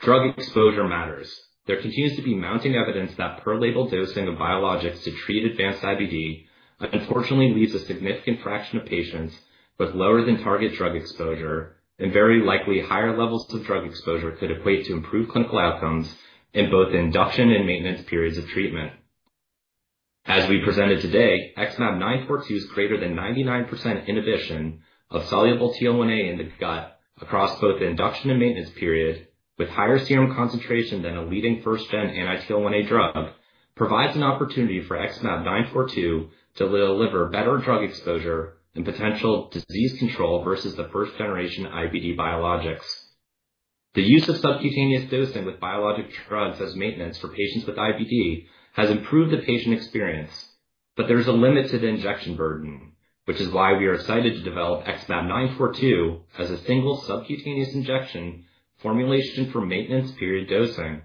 Drug exposure matters. There continues to be mounting evidence that per-label dosing of biologics to treat advanced IBD unfortunately leaves a significant fraction of patients with lower-than-target drug exposure, and very likely higher levels of drug exposure could equate to improved clinical outcomes in both induction and maintenance periods of treatment. As we presented today, XmAb942's greater than 99% inhibition of soluble TL1A in the gut across both induction and maintenance period, with higher serum concentration than a leading first-gen anti-TL1A drug, provides an opportunity for XmAb942 to deliver better drug exposure and potential disease control versus the first-generation IBD biologics. The use of subcutaneous dosing with biologic drugs as maintenance for patients with IBD has improved the patient experience, but there is a limit to the injection burden, which is why we are excited to develop XmAb942 as a single subcutaneous injection formulation for maintenance period dosing.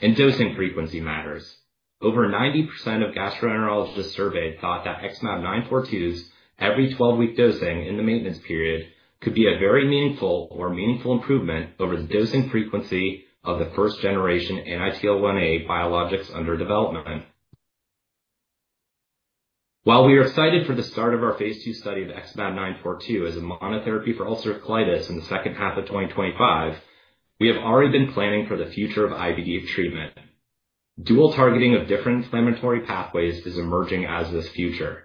Dosing frequency matters. Over 90% of gastroenterologists surveyed thought that XmAb942's every 12-week dosing in the maintenance period could be a very meaningful or meaningful improvement over the dosing frequency of the first-generation anti-TL1A biologics under development. While we are excited for the start of our phase two study of XmAb942 as a monotherapy for ulcerative colitis in the second half of 2025, we have already been planning for the future of IBD treatment. Dual targeting of different inflammatory pathways is emerging as this future.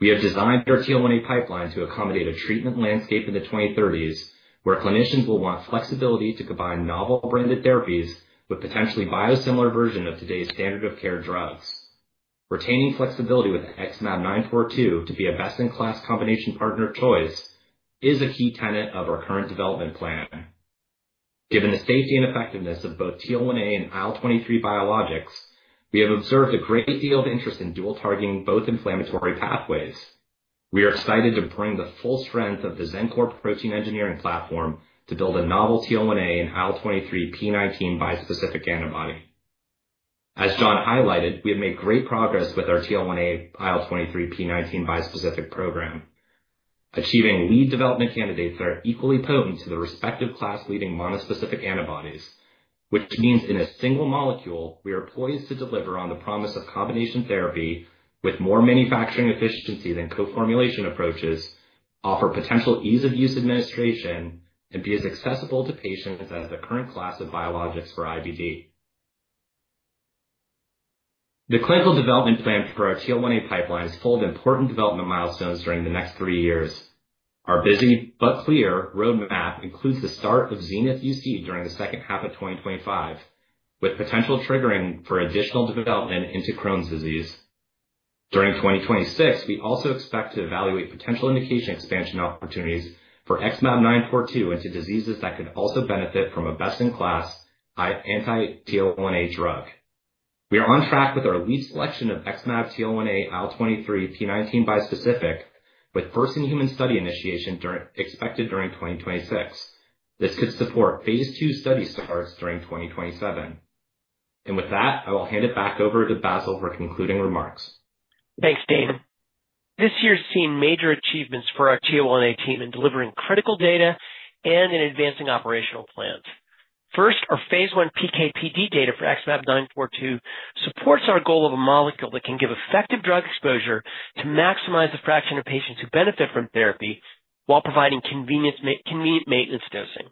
We have designed our TL1A pipeline to accommodate a treatment landscape in the 2030s where clinicians will want flexibility to combine novel branded therapies with potentially biosimilar version of today's standard of care drugs. Retaining flexibility with XmAb942 to be a best-in-class combination partner of choice is a key tenet of our current development plan. Given the safety and effectiveness of both TL1A and IL-23 biologics, we have observed a great deal of interest in dual targeting both inflammatory pathways. We are excited to bring the full strength of the Xencor protein engineering platform to build a novel TL1A and IL-23 p19 bispecific antibody. As John highlighted, we have made great progress with our TL1A IL-23p19 bispecific program, achieving lead development candidates that are equally potent to the respective class leading monospecific antibodies, which means in a single molecule, we are poised to deliver on the promise of combination therapy with more manufacturing efficiency than co-formulation approaches, offer potential ease-of-use administration, and be as accessible to patients as the current class of biologics for IBD. The clinical development plan for our TL1A pipeline is full of important development milestones during the next three years. Our busy but clear roadmap includes the start of Xenith UC during the second half of 2025, with potential triggering for additional development into Crohn's disease. During 2026, we also expect to evaluate potential indication expansion opportunities for XmAb942 into diseases that could also benefit from a best-in-class anti-TL1A drug. We are on track with our lead selection of XmAb-TL1A-IL-23p19 bispecific with first-in-human study initiation expected during 2026. This could support phase II study starts during 2027. With that, I will hand it back over to Bassil for concluding remarks. Thanks, Dane. This year has seen major achievements for our TL1A team in delivering critical data and in advancing operational plans. First, our phase I PKPD data for XmAb942 supports our goal of a molecule that can give effective drug exposure to maximize the fraction of patients who benefit from therapy while providing convenient maintenance dosing.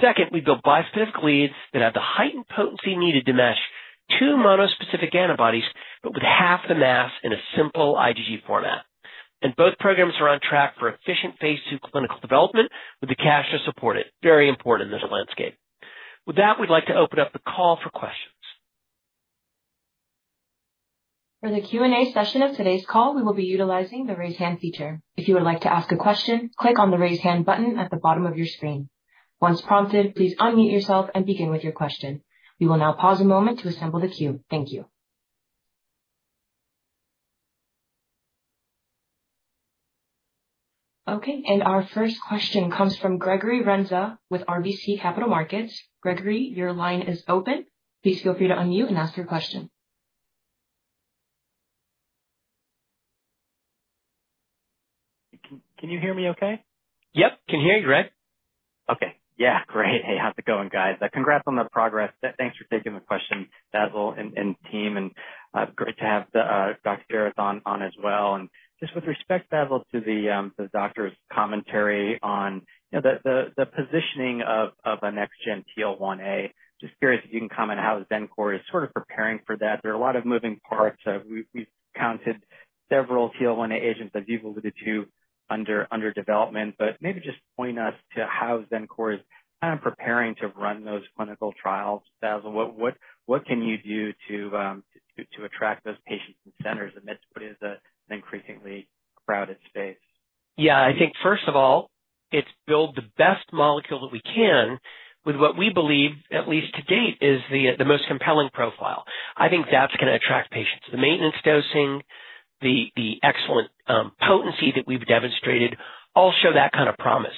Second, we built bispecific leads that have the heightened potency needed to mesh two monospecific antibodies, but with half the mass in a simple IgG format. Both programs are on track for efficient phase II clinical development with the cash as supported. Very important in this landscape. With that, we'd like to open up the call for questions. For the Q&A session of today's call, we will be utilizing the raise hand feature. If you would like to ask a question, click on the raise hand button at the bottom of your screen. Once prompted, please unmute yourself and begin with your question. We will now pause a moment to assemble the queue. Thank you. Okay, our first question comes from Gregory Renza with RBC Capital Markets. Gregory, your line is open. Please feel free to unmute and ask your question. Can you hear me okay? Yep, can hear you, Greg. Okay, yeah, great. Hey, how's it going, guys? Congrats on the progress. Thanks for taking the question, Bassil and team. Great to have Dr. Jairath on as well. Just with respect, Bassil, to the doctor's commentary on the positioning of a next-gen TL1A, just curious if you can comment on how Xencor is sort of preparing for that. There are a lot of moving parts. We've counted several TL1A agents that you've alluded to under development, but maybe just point us to how Xencor is kind of preparing to run those clinical trials. Bassil, what can you do to attract those patients and centers amidst what is an increasingly crowded space? I think first of all, it's build the best molecule that we can with what we believe, at least to date, is the most compelling profile. I think that's going to attract patients. The maintenance dosing, the excellent potency that we've demonstrated all show that kind of promise.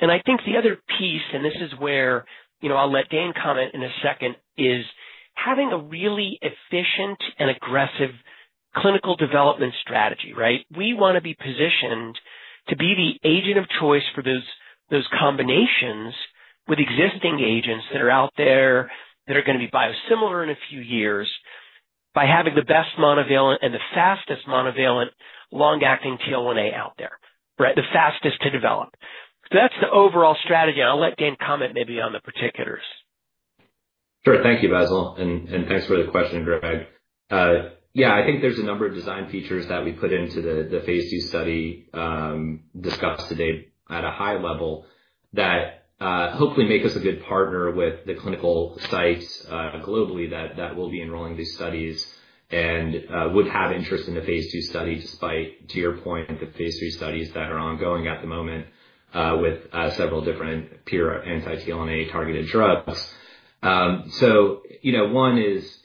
I think the other piece, and this is where I'll let Dane comment in a second, is having a really efficient and aggressive clinical development strategy, right? We want to be positioned to be the agent of choice for those combinations with existing agents that are out there that are going to be biosimilar in a few years by having the best monovalent and the fastest monovalent long-acting TL1A out there, right? The fastest to develop. That's the overall strategy. I'll let Dane comment maybe on the particulars. Sure, thank you, Basil. Thank you for the question, Greg. Yeah, I think there's a number of design features that we put into the phase two study discussed today at a high level that hopefully make us a good partner with the clinical sites globally that will be enrolling these studies and would have interest in the phase two study despite, to your point, the phase three studies that are ongoing at the moment with several different peer anti-TL1A targeted drugs. One is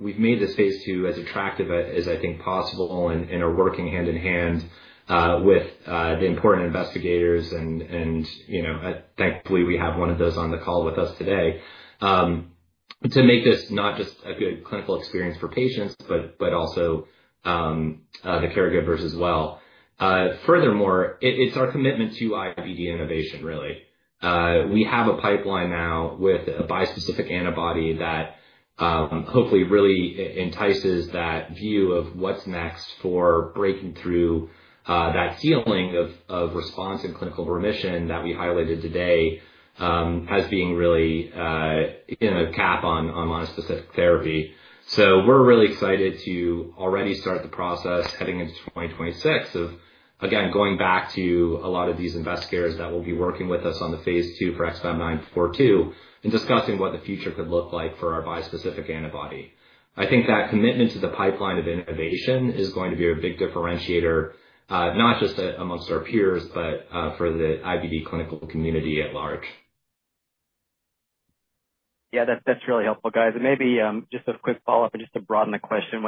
we've made this phase two as attractive as I think possible and are working hand in hand with the important investigators. Thankfully, we have one of those on the call with us today to make this not just a good clinical experience for patients, but also the caregivers as well. Furthermore, it's our commitment to IBD innovation, really. We have a pipeline now with a bispecific antibody that hopefully really entices that view of what's next for breaking through that ceiling of response and clinical remission that we highlighted today as being really in a cap on monospecific therapy. We are really excited to already start the process heading into 2026 of, again, going back to a lot of these investigators that will be working with us on the phase two for XmAb942 and discussing what the future could look like for our bispecific antibody. I think that commitment to the pipeline of innovation is going to be a big differentiator, not just amongst our peers, but for the IBD clinical community at large. Yeah, that's really helpful, guys. Maybe just a quick follow-up and just to broaden the question.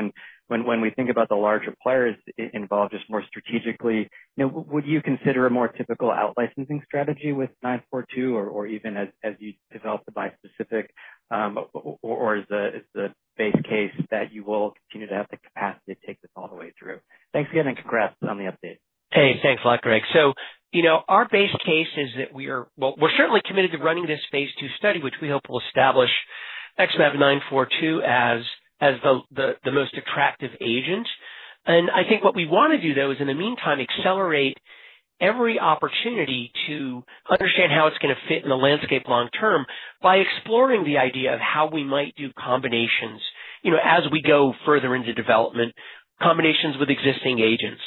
When we think about the larger players involved just more strategically, would you consider a more typical outlicensing strategy with 942 or even as you develop the bispecific, or is the base case that you will continue to have the capacity to take this all the way through? Thanks again and congrats on the update. Hey, thanks a lot, Greg. Our base case is that we're certainly committed to running this phase two study, which we hope will establish XmAb942 as the most attractive agent. I think what we want to do, though, is in the meantime, accelerate every opportunity to understand how it's going to fit in the landscape long term by exploring the idea of how we might do combinations as we go further into development, combinations with existing agents.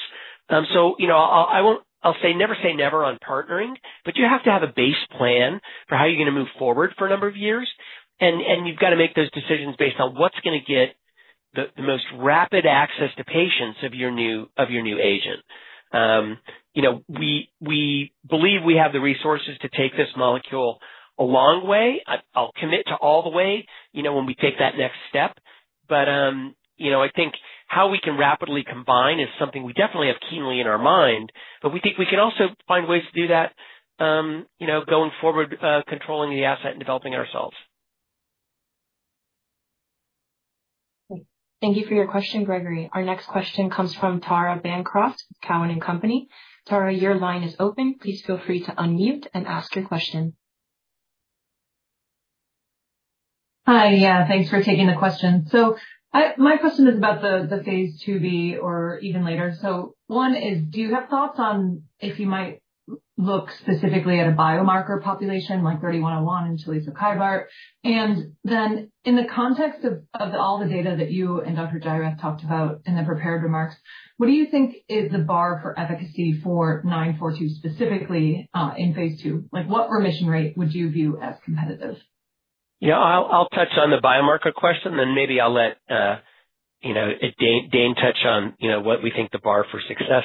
I'll say never say never on partnering, but you have to have a base plan for how you're going to move forward for a number of years. You've got to make those decisions based on what's going to get the most rapid access to patients of your new agent. We believe we have the resources to take this molecule a long way. I'll commit to all the way when we take that next step. I think how we can rapidly combine is something we definitely have keenly in our mind, but we think we can also find ways to do that going forward, controlling the asset and developing it ourselves. Thank you for your question, Gregory. Our next question comes from Tara Bancroft, Cowen & Company. Tara, your line is open. Please feel free to unmute and ask your question. Hi, yeah, thanks for taking the question. My question is about the phase IIb or even later. One is, do you have thoughts on if you might look specifically at a biomarker population like 3101 and Cholestech Kyburz? In the context of all the data that you and Dr. Jairath talked about in the prepared remarks, what do you think is the bar for efficacy for 942 specifically in phase two? What remission rate would you view as competitive? Yeah, I'll touch on the biomarker question, and then maybe I'll let Dane touch on what we think the bar for success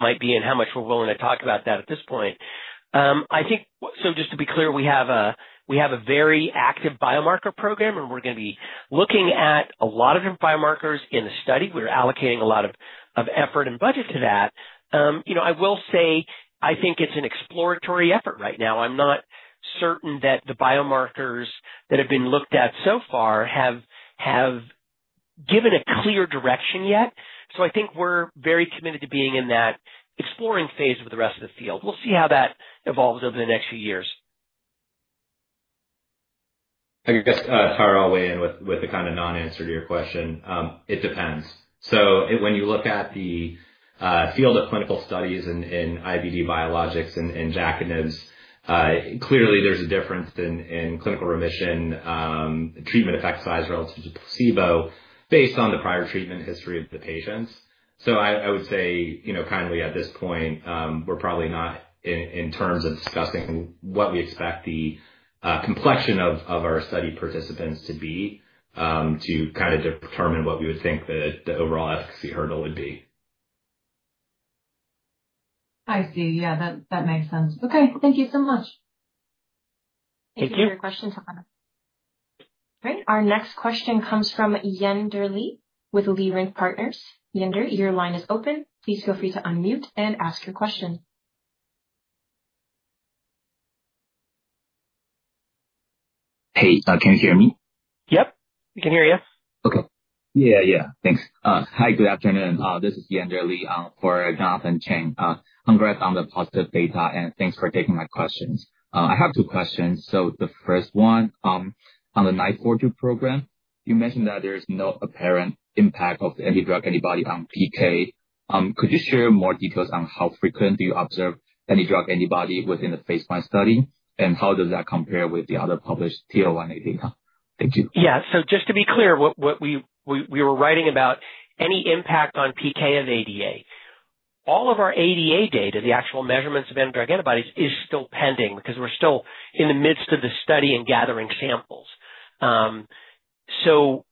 might be and how much we're willing to talk about that at this point. I think, just to be clear, we have a very active biomarker program, and we're going to be looking at a lot of biomarkers in the study. We're allocating a lot of effort and budget to that. I will say I think it's an exploratory effort right now. I'm not certain that the biomarkers that have been looked at so far have given a clear direction yet. I think we're very committed to being in that exploring phase with the rest of the field. We'll see how that evolves over the next few years. I guess, Tara, I'll weigh in with the kind of non-answer to your question. It depends. When you look at the field of clinical studies in IBD biologics and JAK inibs, clearly there's a difference in clinical remission, treatment effect size relative to placebo based on the prior treatment history of the patients. I would say kindly at this point, we're probably not in terms of discussing what we expect the complexion of our study participants to be to kind of determine what we would think the overall efficacy hurdle would be. I see. Yeah, that makes sense. Okay, thank you so much. Thank you for your question, Tara. Great. Our next question comes from Yen-Der Li with Leerink Partners. Yender, your line is open. Please feel free to unmute and ask your question. Hey, can you hear me? Yep, we can hear you. Okay. Yeah, yeah. Thanks. Hi, good afternoon. This is Yen-Der Li for Jonathan Chang. Congrats on the positive data, and thanks for taking my questions. I have two questions. The first one, on the 942 program, you mentioned that there is no apparent impact of the anti-drug antibody on PK. Could you share more details on how frequently you observe any drug antibody within the phase one study, and how does that compare with the other published TL1A data? Thank you. Yeah, so just to be clear, what we were writing about, any impact on PK of ADA. All of our ADA data, the actual measurements of anti-drug antibodies, is still pending because we're still in the midst of the study and gathering samples. So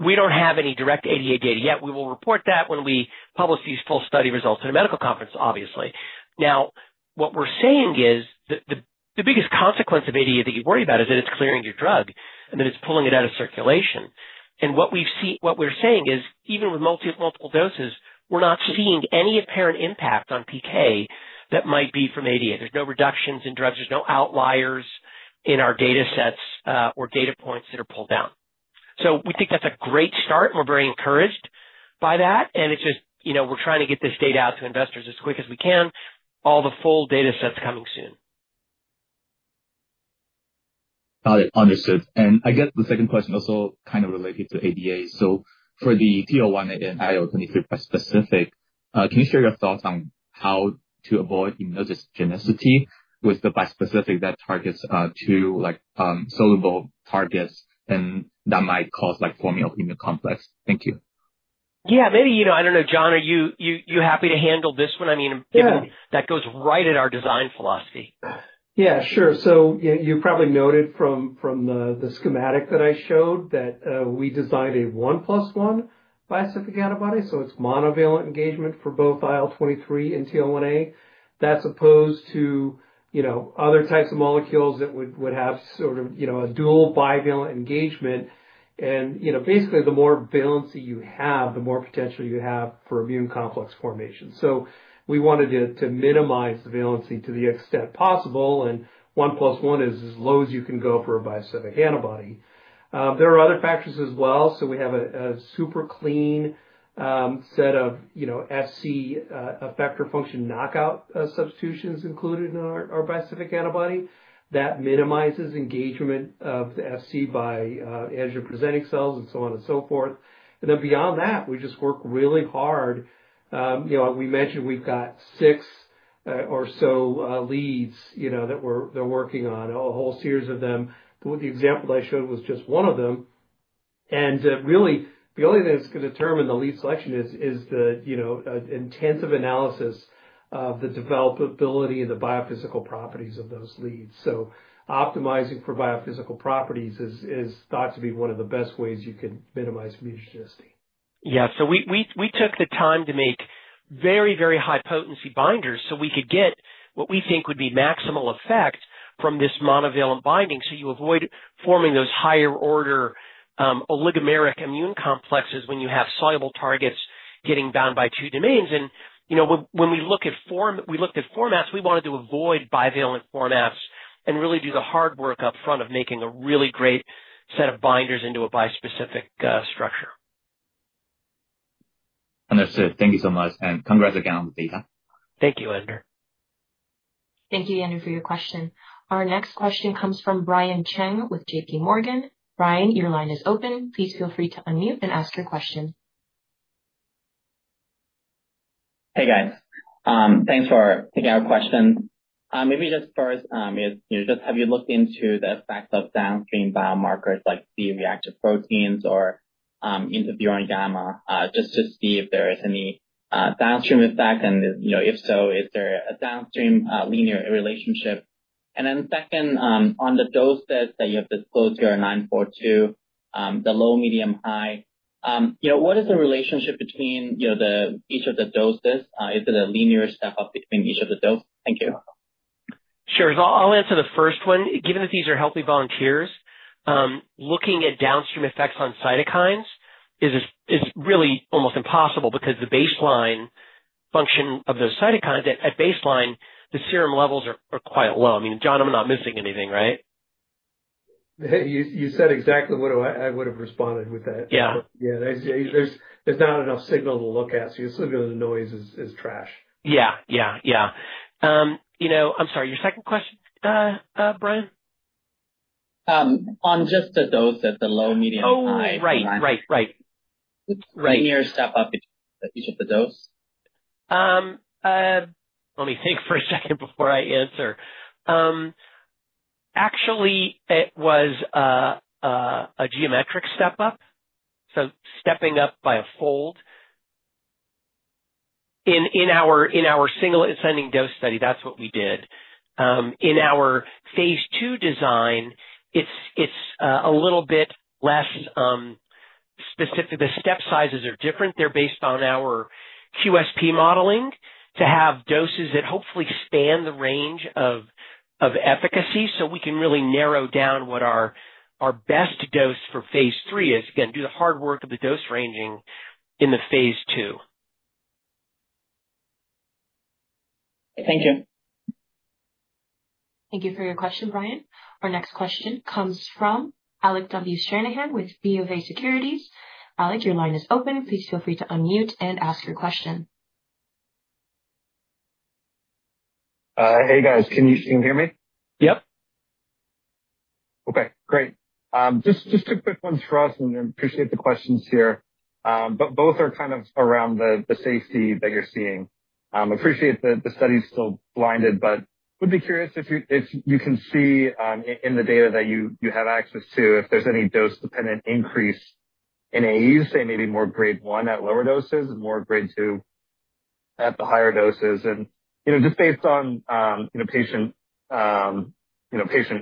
we don't have any direct ADA data yet. We will report that when we publish these full study results in a medical conference, obviously. Now, what we're saying is the biggest consequence of ADA that you worry about is that it's clearing your drug and that it's pulling it out of circulation. What we're saying is, even with multiple doses, we're not seeing any apparent impact on PK that might be from ADA. There's no reductions in drugs. There's no outliers in our data sets or data points that are pulled down. We think that's a great start, and we're very encouraged by that. We're trying to get this data out to investors as quick as we can. All the full data sets coming soon. Got it. Understood. I guess the second question also kind of related to ADA. For the TL1A and IL-23 bispecific, can you share your thoughts on how to avoid immunogenicity with the bispecific that targets two soluble targets and that might cause forming of immune complex? Thank you. Yeah, maybe, I don't know, John, are you happy to handle this one? I mean, that goes right at our design philosophy. Yeah, sure. You probably noted from the schematic that I showed that we designed a one-plus-one bispecific antibody. It is monovalent engagement for both IL-23 and TL1A as opposed to other types of molecules that would have sort of a dual bivalent engagement. Basically, the more valency you have, the more potential you have for immune complex formation. We wanted to minimize the valency to the extent possible, and one-plus-one is as low as you can go for a bispecific antibody. There are other factors as well. We have a super clean set of FC effector function knockout substitutions included in our bispecific antibody that minimizes engagement of the FC by edge of presenting cells and so on and so forth. Beyond that, we just work really hard. We mentioned we've got six or so leads that we're working on, a whole series of them. The example I showed was just one of them. Really, the only thing that's going to determine the lead selection is the intensive analysis of the developability and the biophysical properties of those leads. Optimizing for biophysical properties is thought to be one of the best ways you can minimize immunogenicity. Yeah. We took the time to make very, very high-potency binders so we could get what we think would be maximal effect from this monovalent binding. You avoid forming those higher-order oligomeric immune complexes when you have soluble targets getting bound by two domains. When we looked at formats, we wanted to avoid bivalent formats and really do the hard work upfront of making a really great set of binders into a bispecific structure. Understood. Thank you so much. Congrats again on the data. Thank you, Yender. Thank you, Yender, for your question. Our next question comes from Brian Cheng with JPMorgan. Brian, your line is open. Please feel free to unmute and ask your question. Hey, guys. Thanks for taking our question. Maybe just first, just have you looked into the effects of downstream biomarkers like C-reactive proteins or interferon gamma just to see if there is any downstream effect? If so, is there a downstream linear relationship? Second, on the doses that you have disclosed here, 942, the low, medium, high, what is the relationship between each of the doses? Is it a linear step-up between each of the doses? Thank you. Sure. I'll answer the first one. Given that these are healthy volunteers, looking at downstream effects on cytokines is really almost impossible because the baseline function of those cytokines, at baseline, the serum levels are quite low. I mean, John, I'm not missing anything, right? You said exactly what I would have responded with that. Yeah. There's not enough signal to look at. You're assuming the noise is trash. Yeah, yeah, yeah. I'm sorry, your second question, Brian? On just the dose at the low, medium, high. Oh, right, right, right. Linear step-up between each of the doses? Let me think for a second before I answer. Actually, it was a geometric step-up, so stepping up by a fold. In our single-inciting dose study, that's what we did. In our phase two design, it's a little bit less specific. The step sizes are different. They're based on our QSP modeling to have doses that hopefully span the range of efficacy so we can really narrow down what our best dose for phase three is, again, do the hard work of the dose ranging in the phase two. Thank you. Thank you for your question, Brian. Our next question comes from Alec W. Stranahan with BofA Securities. Alec, your line is open. Please feel free to unmute and ask your question. Hey, guys. Can you hear me? Yep. Okay. Great. Just a quick one for us, and I appreciate the questions here. Both are kind of around the safety that you're seeing. I appreciate the study is still blinded, but would be curious if you can see in the data that you have access to if there's any dose-dependent increase in AEs, say maybe more grade one at lower doses and more grade two at the higher doses. Just based on patient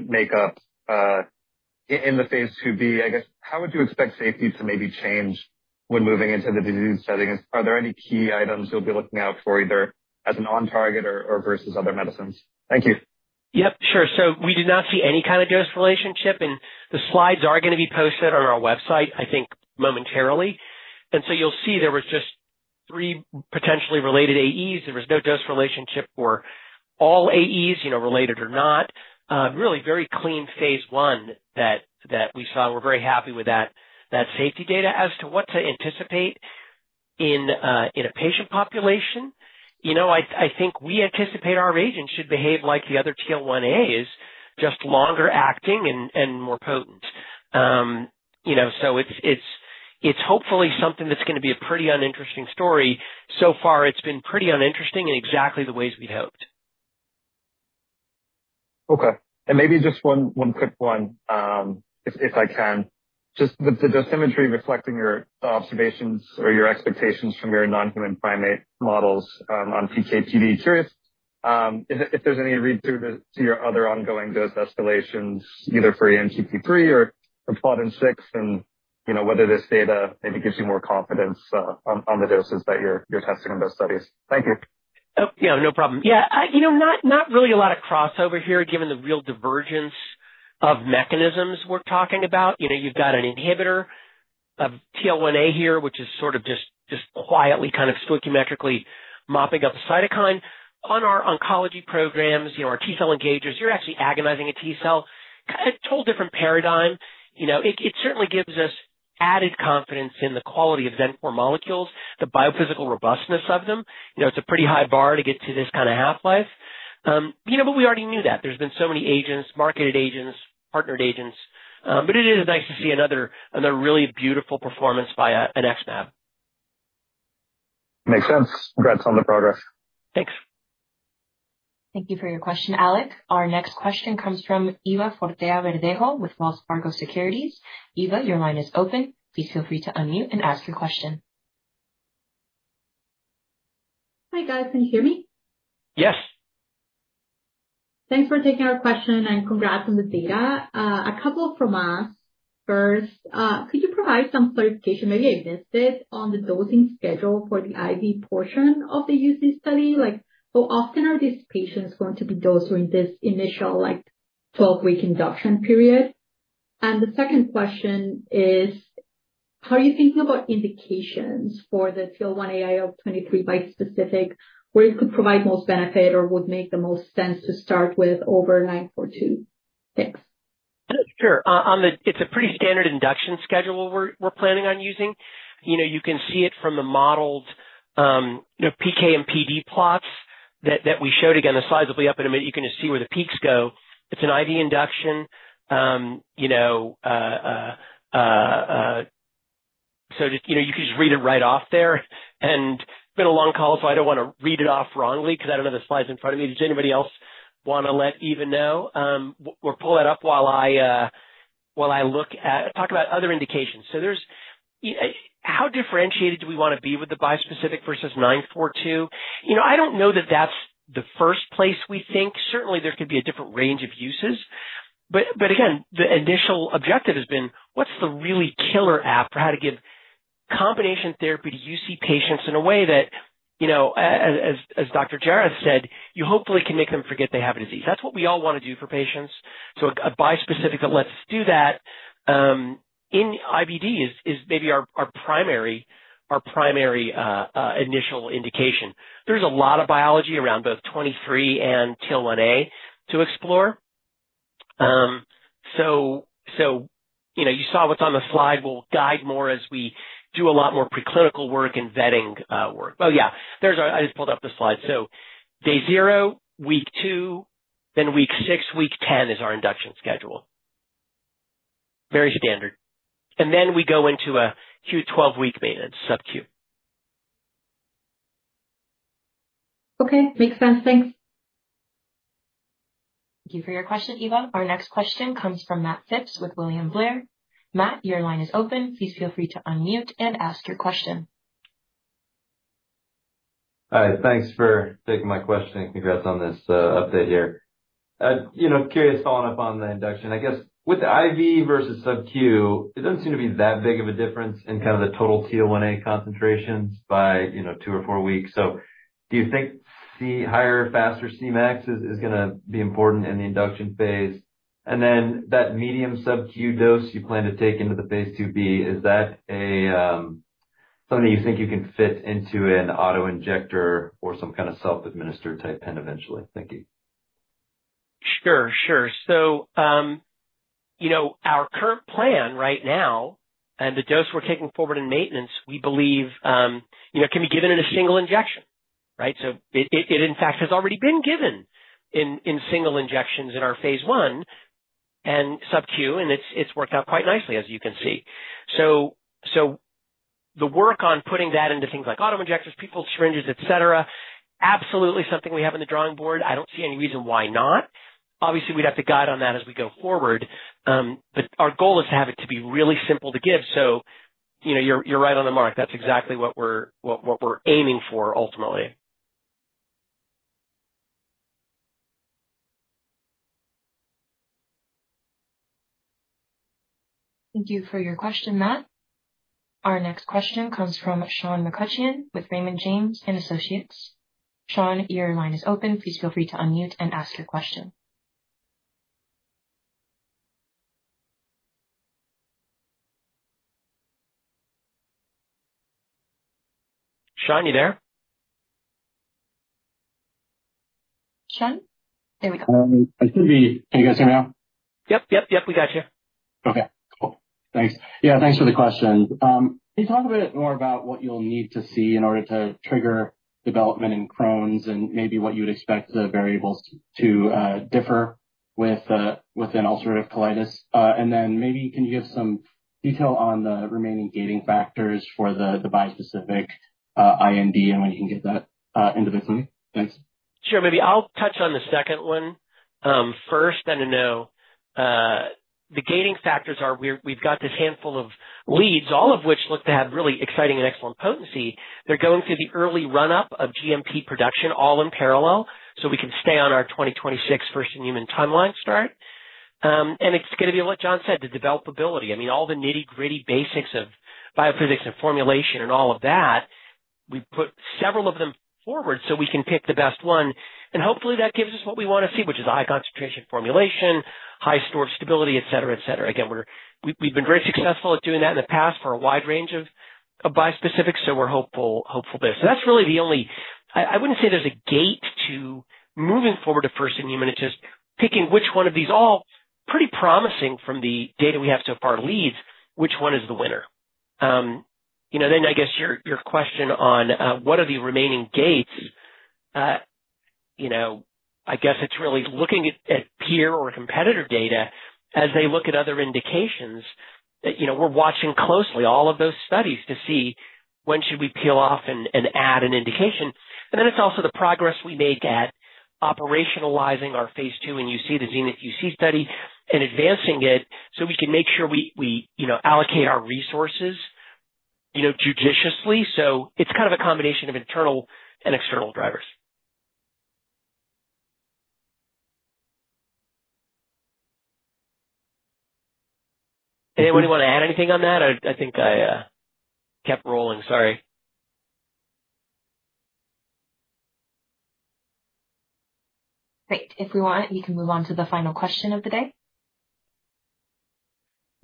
makeup in the phase IIb, I guess, how would you expect safety to maybe change when moving into the disease setting? Are there any key items you'll be looking out for either as an on-target or versus other medicines? Thank you. Yep, sure. We do not see any kind of dose relationship, and the slides are going to be posted on our website, I think, momentarily. You'll see there were just three potentially related AEs. There was no dose relationship for all AEs, related or not. Really very clean phase I that we saw. We're very happy with that safety data as to what to anticipate in a patient population. I think we anticipate our agents should behave like the other TL1As, just longer acting and more potent. It's hopefully something that's going to be a pretty uninteresting story. So far, it's been pretty uninteresting in exactly the ways we'd hoped. Okay. Maybe just one quick one, if I can. Just the dosimetry reflecting your observations or your expectations from your non-human primate models on PK/PD, curious if there's any read-through to your other ongoing dose escalations, either for ENPP3 or [PLOTin6], and whether this data maybe gives you more confidence on the doses that you're testing in those studies. Thank you. Oh, yeah, no problem. Yeah. Not really a lot of crossover here given the real divergence of mechanisms we're talking about. You've got an inhibitor of TL1A here, which is sort of just quietly kind of stoichiometrically mopping up a cytokine. On our oncology programs, our T-cell engagers, you're actually agonizing a T-cell, kind of a total different paradigm. It certainly gives us added confidence in the quality of Xencor molecules, the biophysical robustness of them. It's a pretty high bar to get to this kind of half-life. We already knew that. There have been so many agents, marketed agents, partnered agents. It is nice to see another really beautiful performance by an XmAb. Makes sense. Congrats on the progress. Thanks. Thank you for your question, Alec. Our next question comes from Eva Fortea Verdejo with Wells Fargo Securities. Eva, your line is open. Please feel free to unmute and ask your question. Hi, guys. Can you hear me? Yes. Thanks for taking our question, and congrats on the data. A couple of formats. First, could you provide some clarification? Maybe a misstep on the dosing schedule for the IV portion of the UC study? How often are these patients going to be dosed during this initial 12-week induction period? The second question is, how are you thinking about indications for the TL1A IL-23 bispecific where it could provide most benefit or would make the most sense to start with over 942? Thanks. Sure. It's a pretty standard induction schedule we're planning on using. You can see it from the modeled PK and PD plots that we showed. Again, the slides will be up in a minute. You can just see where the peaks go. It's an IV induction. You can just read it right off there. It's been a long call, so I don't want to read it off wrongly because I don't have the slides in front of me. Does anybody else want to let Eva know? We'll pull that up while I talk about other indications. How differentiated do we want to be with the bispecific versus 942? I don't know that that's the first place we think. Certainly, there could be a different range of uses. Again, the initial objective has been, what's the really killer app for how to give combination therapy to UC patients in a way that, as Dr. Jared said, you hopefully can make them forget they have a disease. That's what we all want to do for patients. A bispecific that lets us do that in IBD is maybe our primary initial indication. There's a lot of biology around both 23 and TL1A to explore. You saw what's on the slide. We'll guide more as we do a lot more preclinical work and vetting work. Oh, yeah. I just pulled up the slide. Day zero, week two, then week six, week ten is our induction schedule. Very standard. We go into a Q12-week maintenance sub-cue. Okay. Makes sense. Thanks. Thank you for your question, Eva. Our next question comes from Matt Phipps with William Blair. Matt, your line is open. Please feel free to unmute and ask your question. Hi. Thanks for taking my question. Congrats on this update here. Curious following up on the induction. I guess with the IV versus sub-cue, it does not seem to be that big of a difference in kind of the total TL1A concentrations by two or four weeks. Do you think higher, faster Cmax is going to be important in the induction phase? That medium sub-cute dose you plan to take into the phase IIb, is that something you think you can fit into an auto injector or some kind of self-administered type pen eventually? Thank you. Sure, sure. Our current plan right now and the dose we're taking forward in maintenance, we believe can be given in a single injection, right? It, in fact, has already been given in single injections in our phase i and SubQ, and it's worked out quite nicely, as you can see. The work on putting that into things like auto injectors, people, syringes, etc., absolutely something we have on the drawing board. I don't see any reason why not. Obviously, we'd have to guide on that as we go forward. Our goal is to have it to be really simple to give. You're right on the mark. That's exactly what we're aiming for ultimately. Thank you for your question, Matt. Our next question comes from Sean McCutcheon with Raymond James & Associates. Sean, your line is open. Please feel free to unmute and ask your question. Sean, you there? Sean? There we go. I should be—can you guys hear me now? Yep, yep. We got you. Okay. Cool. Thanks. Yeah, thanks for the question. Can you talk a bit more about what you'll need to see in order to trigger development in Crohn's and maybe what you would expect the variables to differ within ulcerative colitis? Can you give some detail on the remaining gating factors for the bispecific IND and when you can get that into the clinic? Thanks. Sure. Maybe I'll touch on the second one first. The gating factors are we've got this handful of leads, all of which look to have really exciting and excellent potency. They're going through the early run-up of GMP production all in parallel so we can stay on our 2026 first-in-human timeline start. It's going to be what John said, the developability. I mean, all the nitty-gritty basics of biophysics and formulation and all of that, we put several of them forward so we can pick the best one. Hopefully, that gives us what we want to see, which is a high-concentration formulation, high-storage stability, etc., etc. Again, we've been very successful at doing that in the past for a wide range of bispecifics, so we're hopeful there. That's really the only—I wouldn't say there's a gate to moving forward to first-in-human. It's just picking which one of these—all pretty promising from the data we have so far—leads, which one is the winner. I guess your question on what are the remaining gates, I guess it's really looking at peer or competitor data as they look at other indications. We're watching closely all of those studies to see when should we peel off and add an indication. It's also the progress we make at operationalizing our phase two and UC, the XENITH UC study, and advancing it so we can make sure we allocate our resources judiciously. It's kind of a combination of internal and external drivers. Anyone want to add anything on that? I think I kept rolling. Sorry. Great. If we want, you can move on to the final question of the day.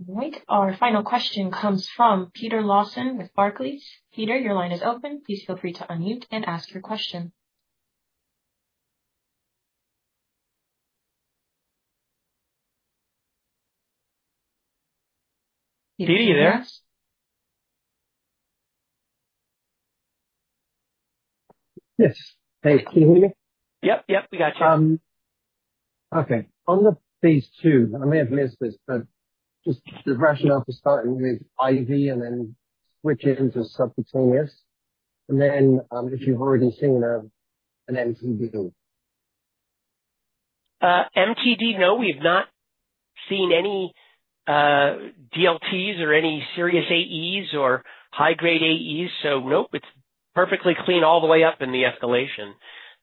Right. Our final question comes from Peter Lawson with Barclays. Peter, your line is open. Please feel free to unmute and ask your question. Peter, you there? Yes. Hey, can you hear me? Yep, yep. We got you. Okay. On the phase two, I may have missed this, but just the rationale for starting with IV and then switching to subcutaneous. And then if you've already seen an MTD. MTD, no, we have not seen any DLTs or any serious AEs or high-grade AEs. It is perfectly clean all the way up in the escalation.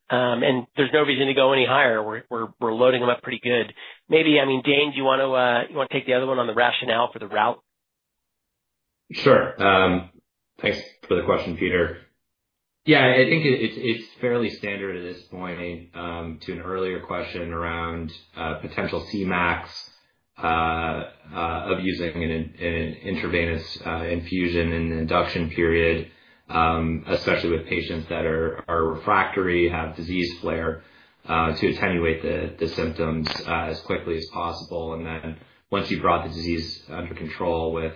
There is no reason to go any higher. We are loading them up pretty good. Maybe, I mean, Dane, do you want to take the other one on the rationale for the route? Sure. Thanks for the question, Peter. Yeah, I think it's fairly standard at this point to an earlier question around potential CMACs of using an intravenous infusion in the induction period, especially with patients that are refractory, have disease flare, to attenuate the symptoms as quickly as possible. Once you've brought the disease under control with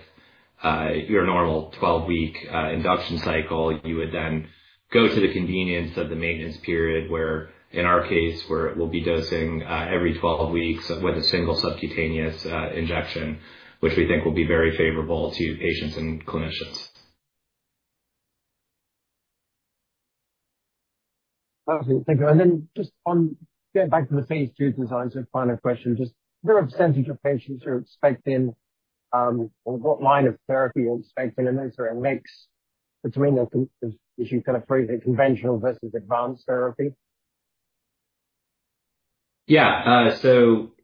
your normal 12-week induction cycle, you would then go to the convenience of the maintenance period where, in our case, we'll be dosing every 12 weeks with a single subcutaneous injection, which we think will be very favorable to patients and clinicians. Thank you. Just getting back to the phase two design, final question, just what percentage of patients you're expecting or what line of therapy you're expecting? Is there a mix between, as you kind of phrase it, conventional versus advanced therapy? Yeah.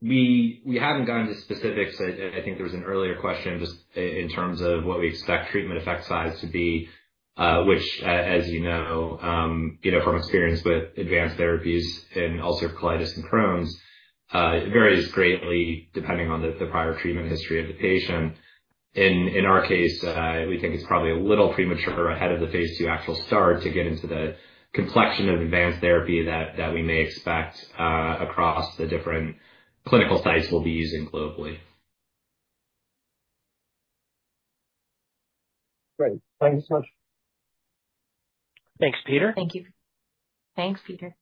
We haven't gotten to specifics. I think there was an earlier question just in terms of what we expect treatment effect size to be, which, as you know from experience with advanced therapies in ulcerative colitis and Crohn's, varies greatly depending on the prior treatment history of the patient. In our case, we think it's probably a little premature ahead of the phase two actual start to get into the complexion of advanced therapy that we may expect across the different clinical sites we'll be using globally. Great. Thank you so much. Thanks, Peter. Thank you. Thanks, Peter.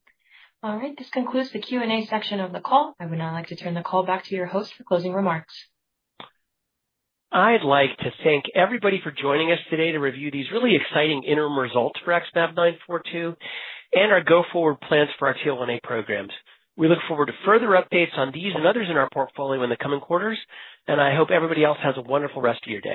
All right. This concludes the Q&A section of the call. I would now like to turn the call back to your host for closing remarks. I'd like to thank everybody for joining us today to review these really exciting interim results for XmAb942 and our go-forward plans for our TL1A programs. We look forward to further updates on these and others in our portfolio in the coming quarters. I hope everybody else has a wonderful rest of your day.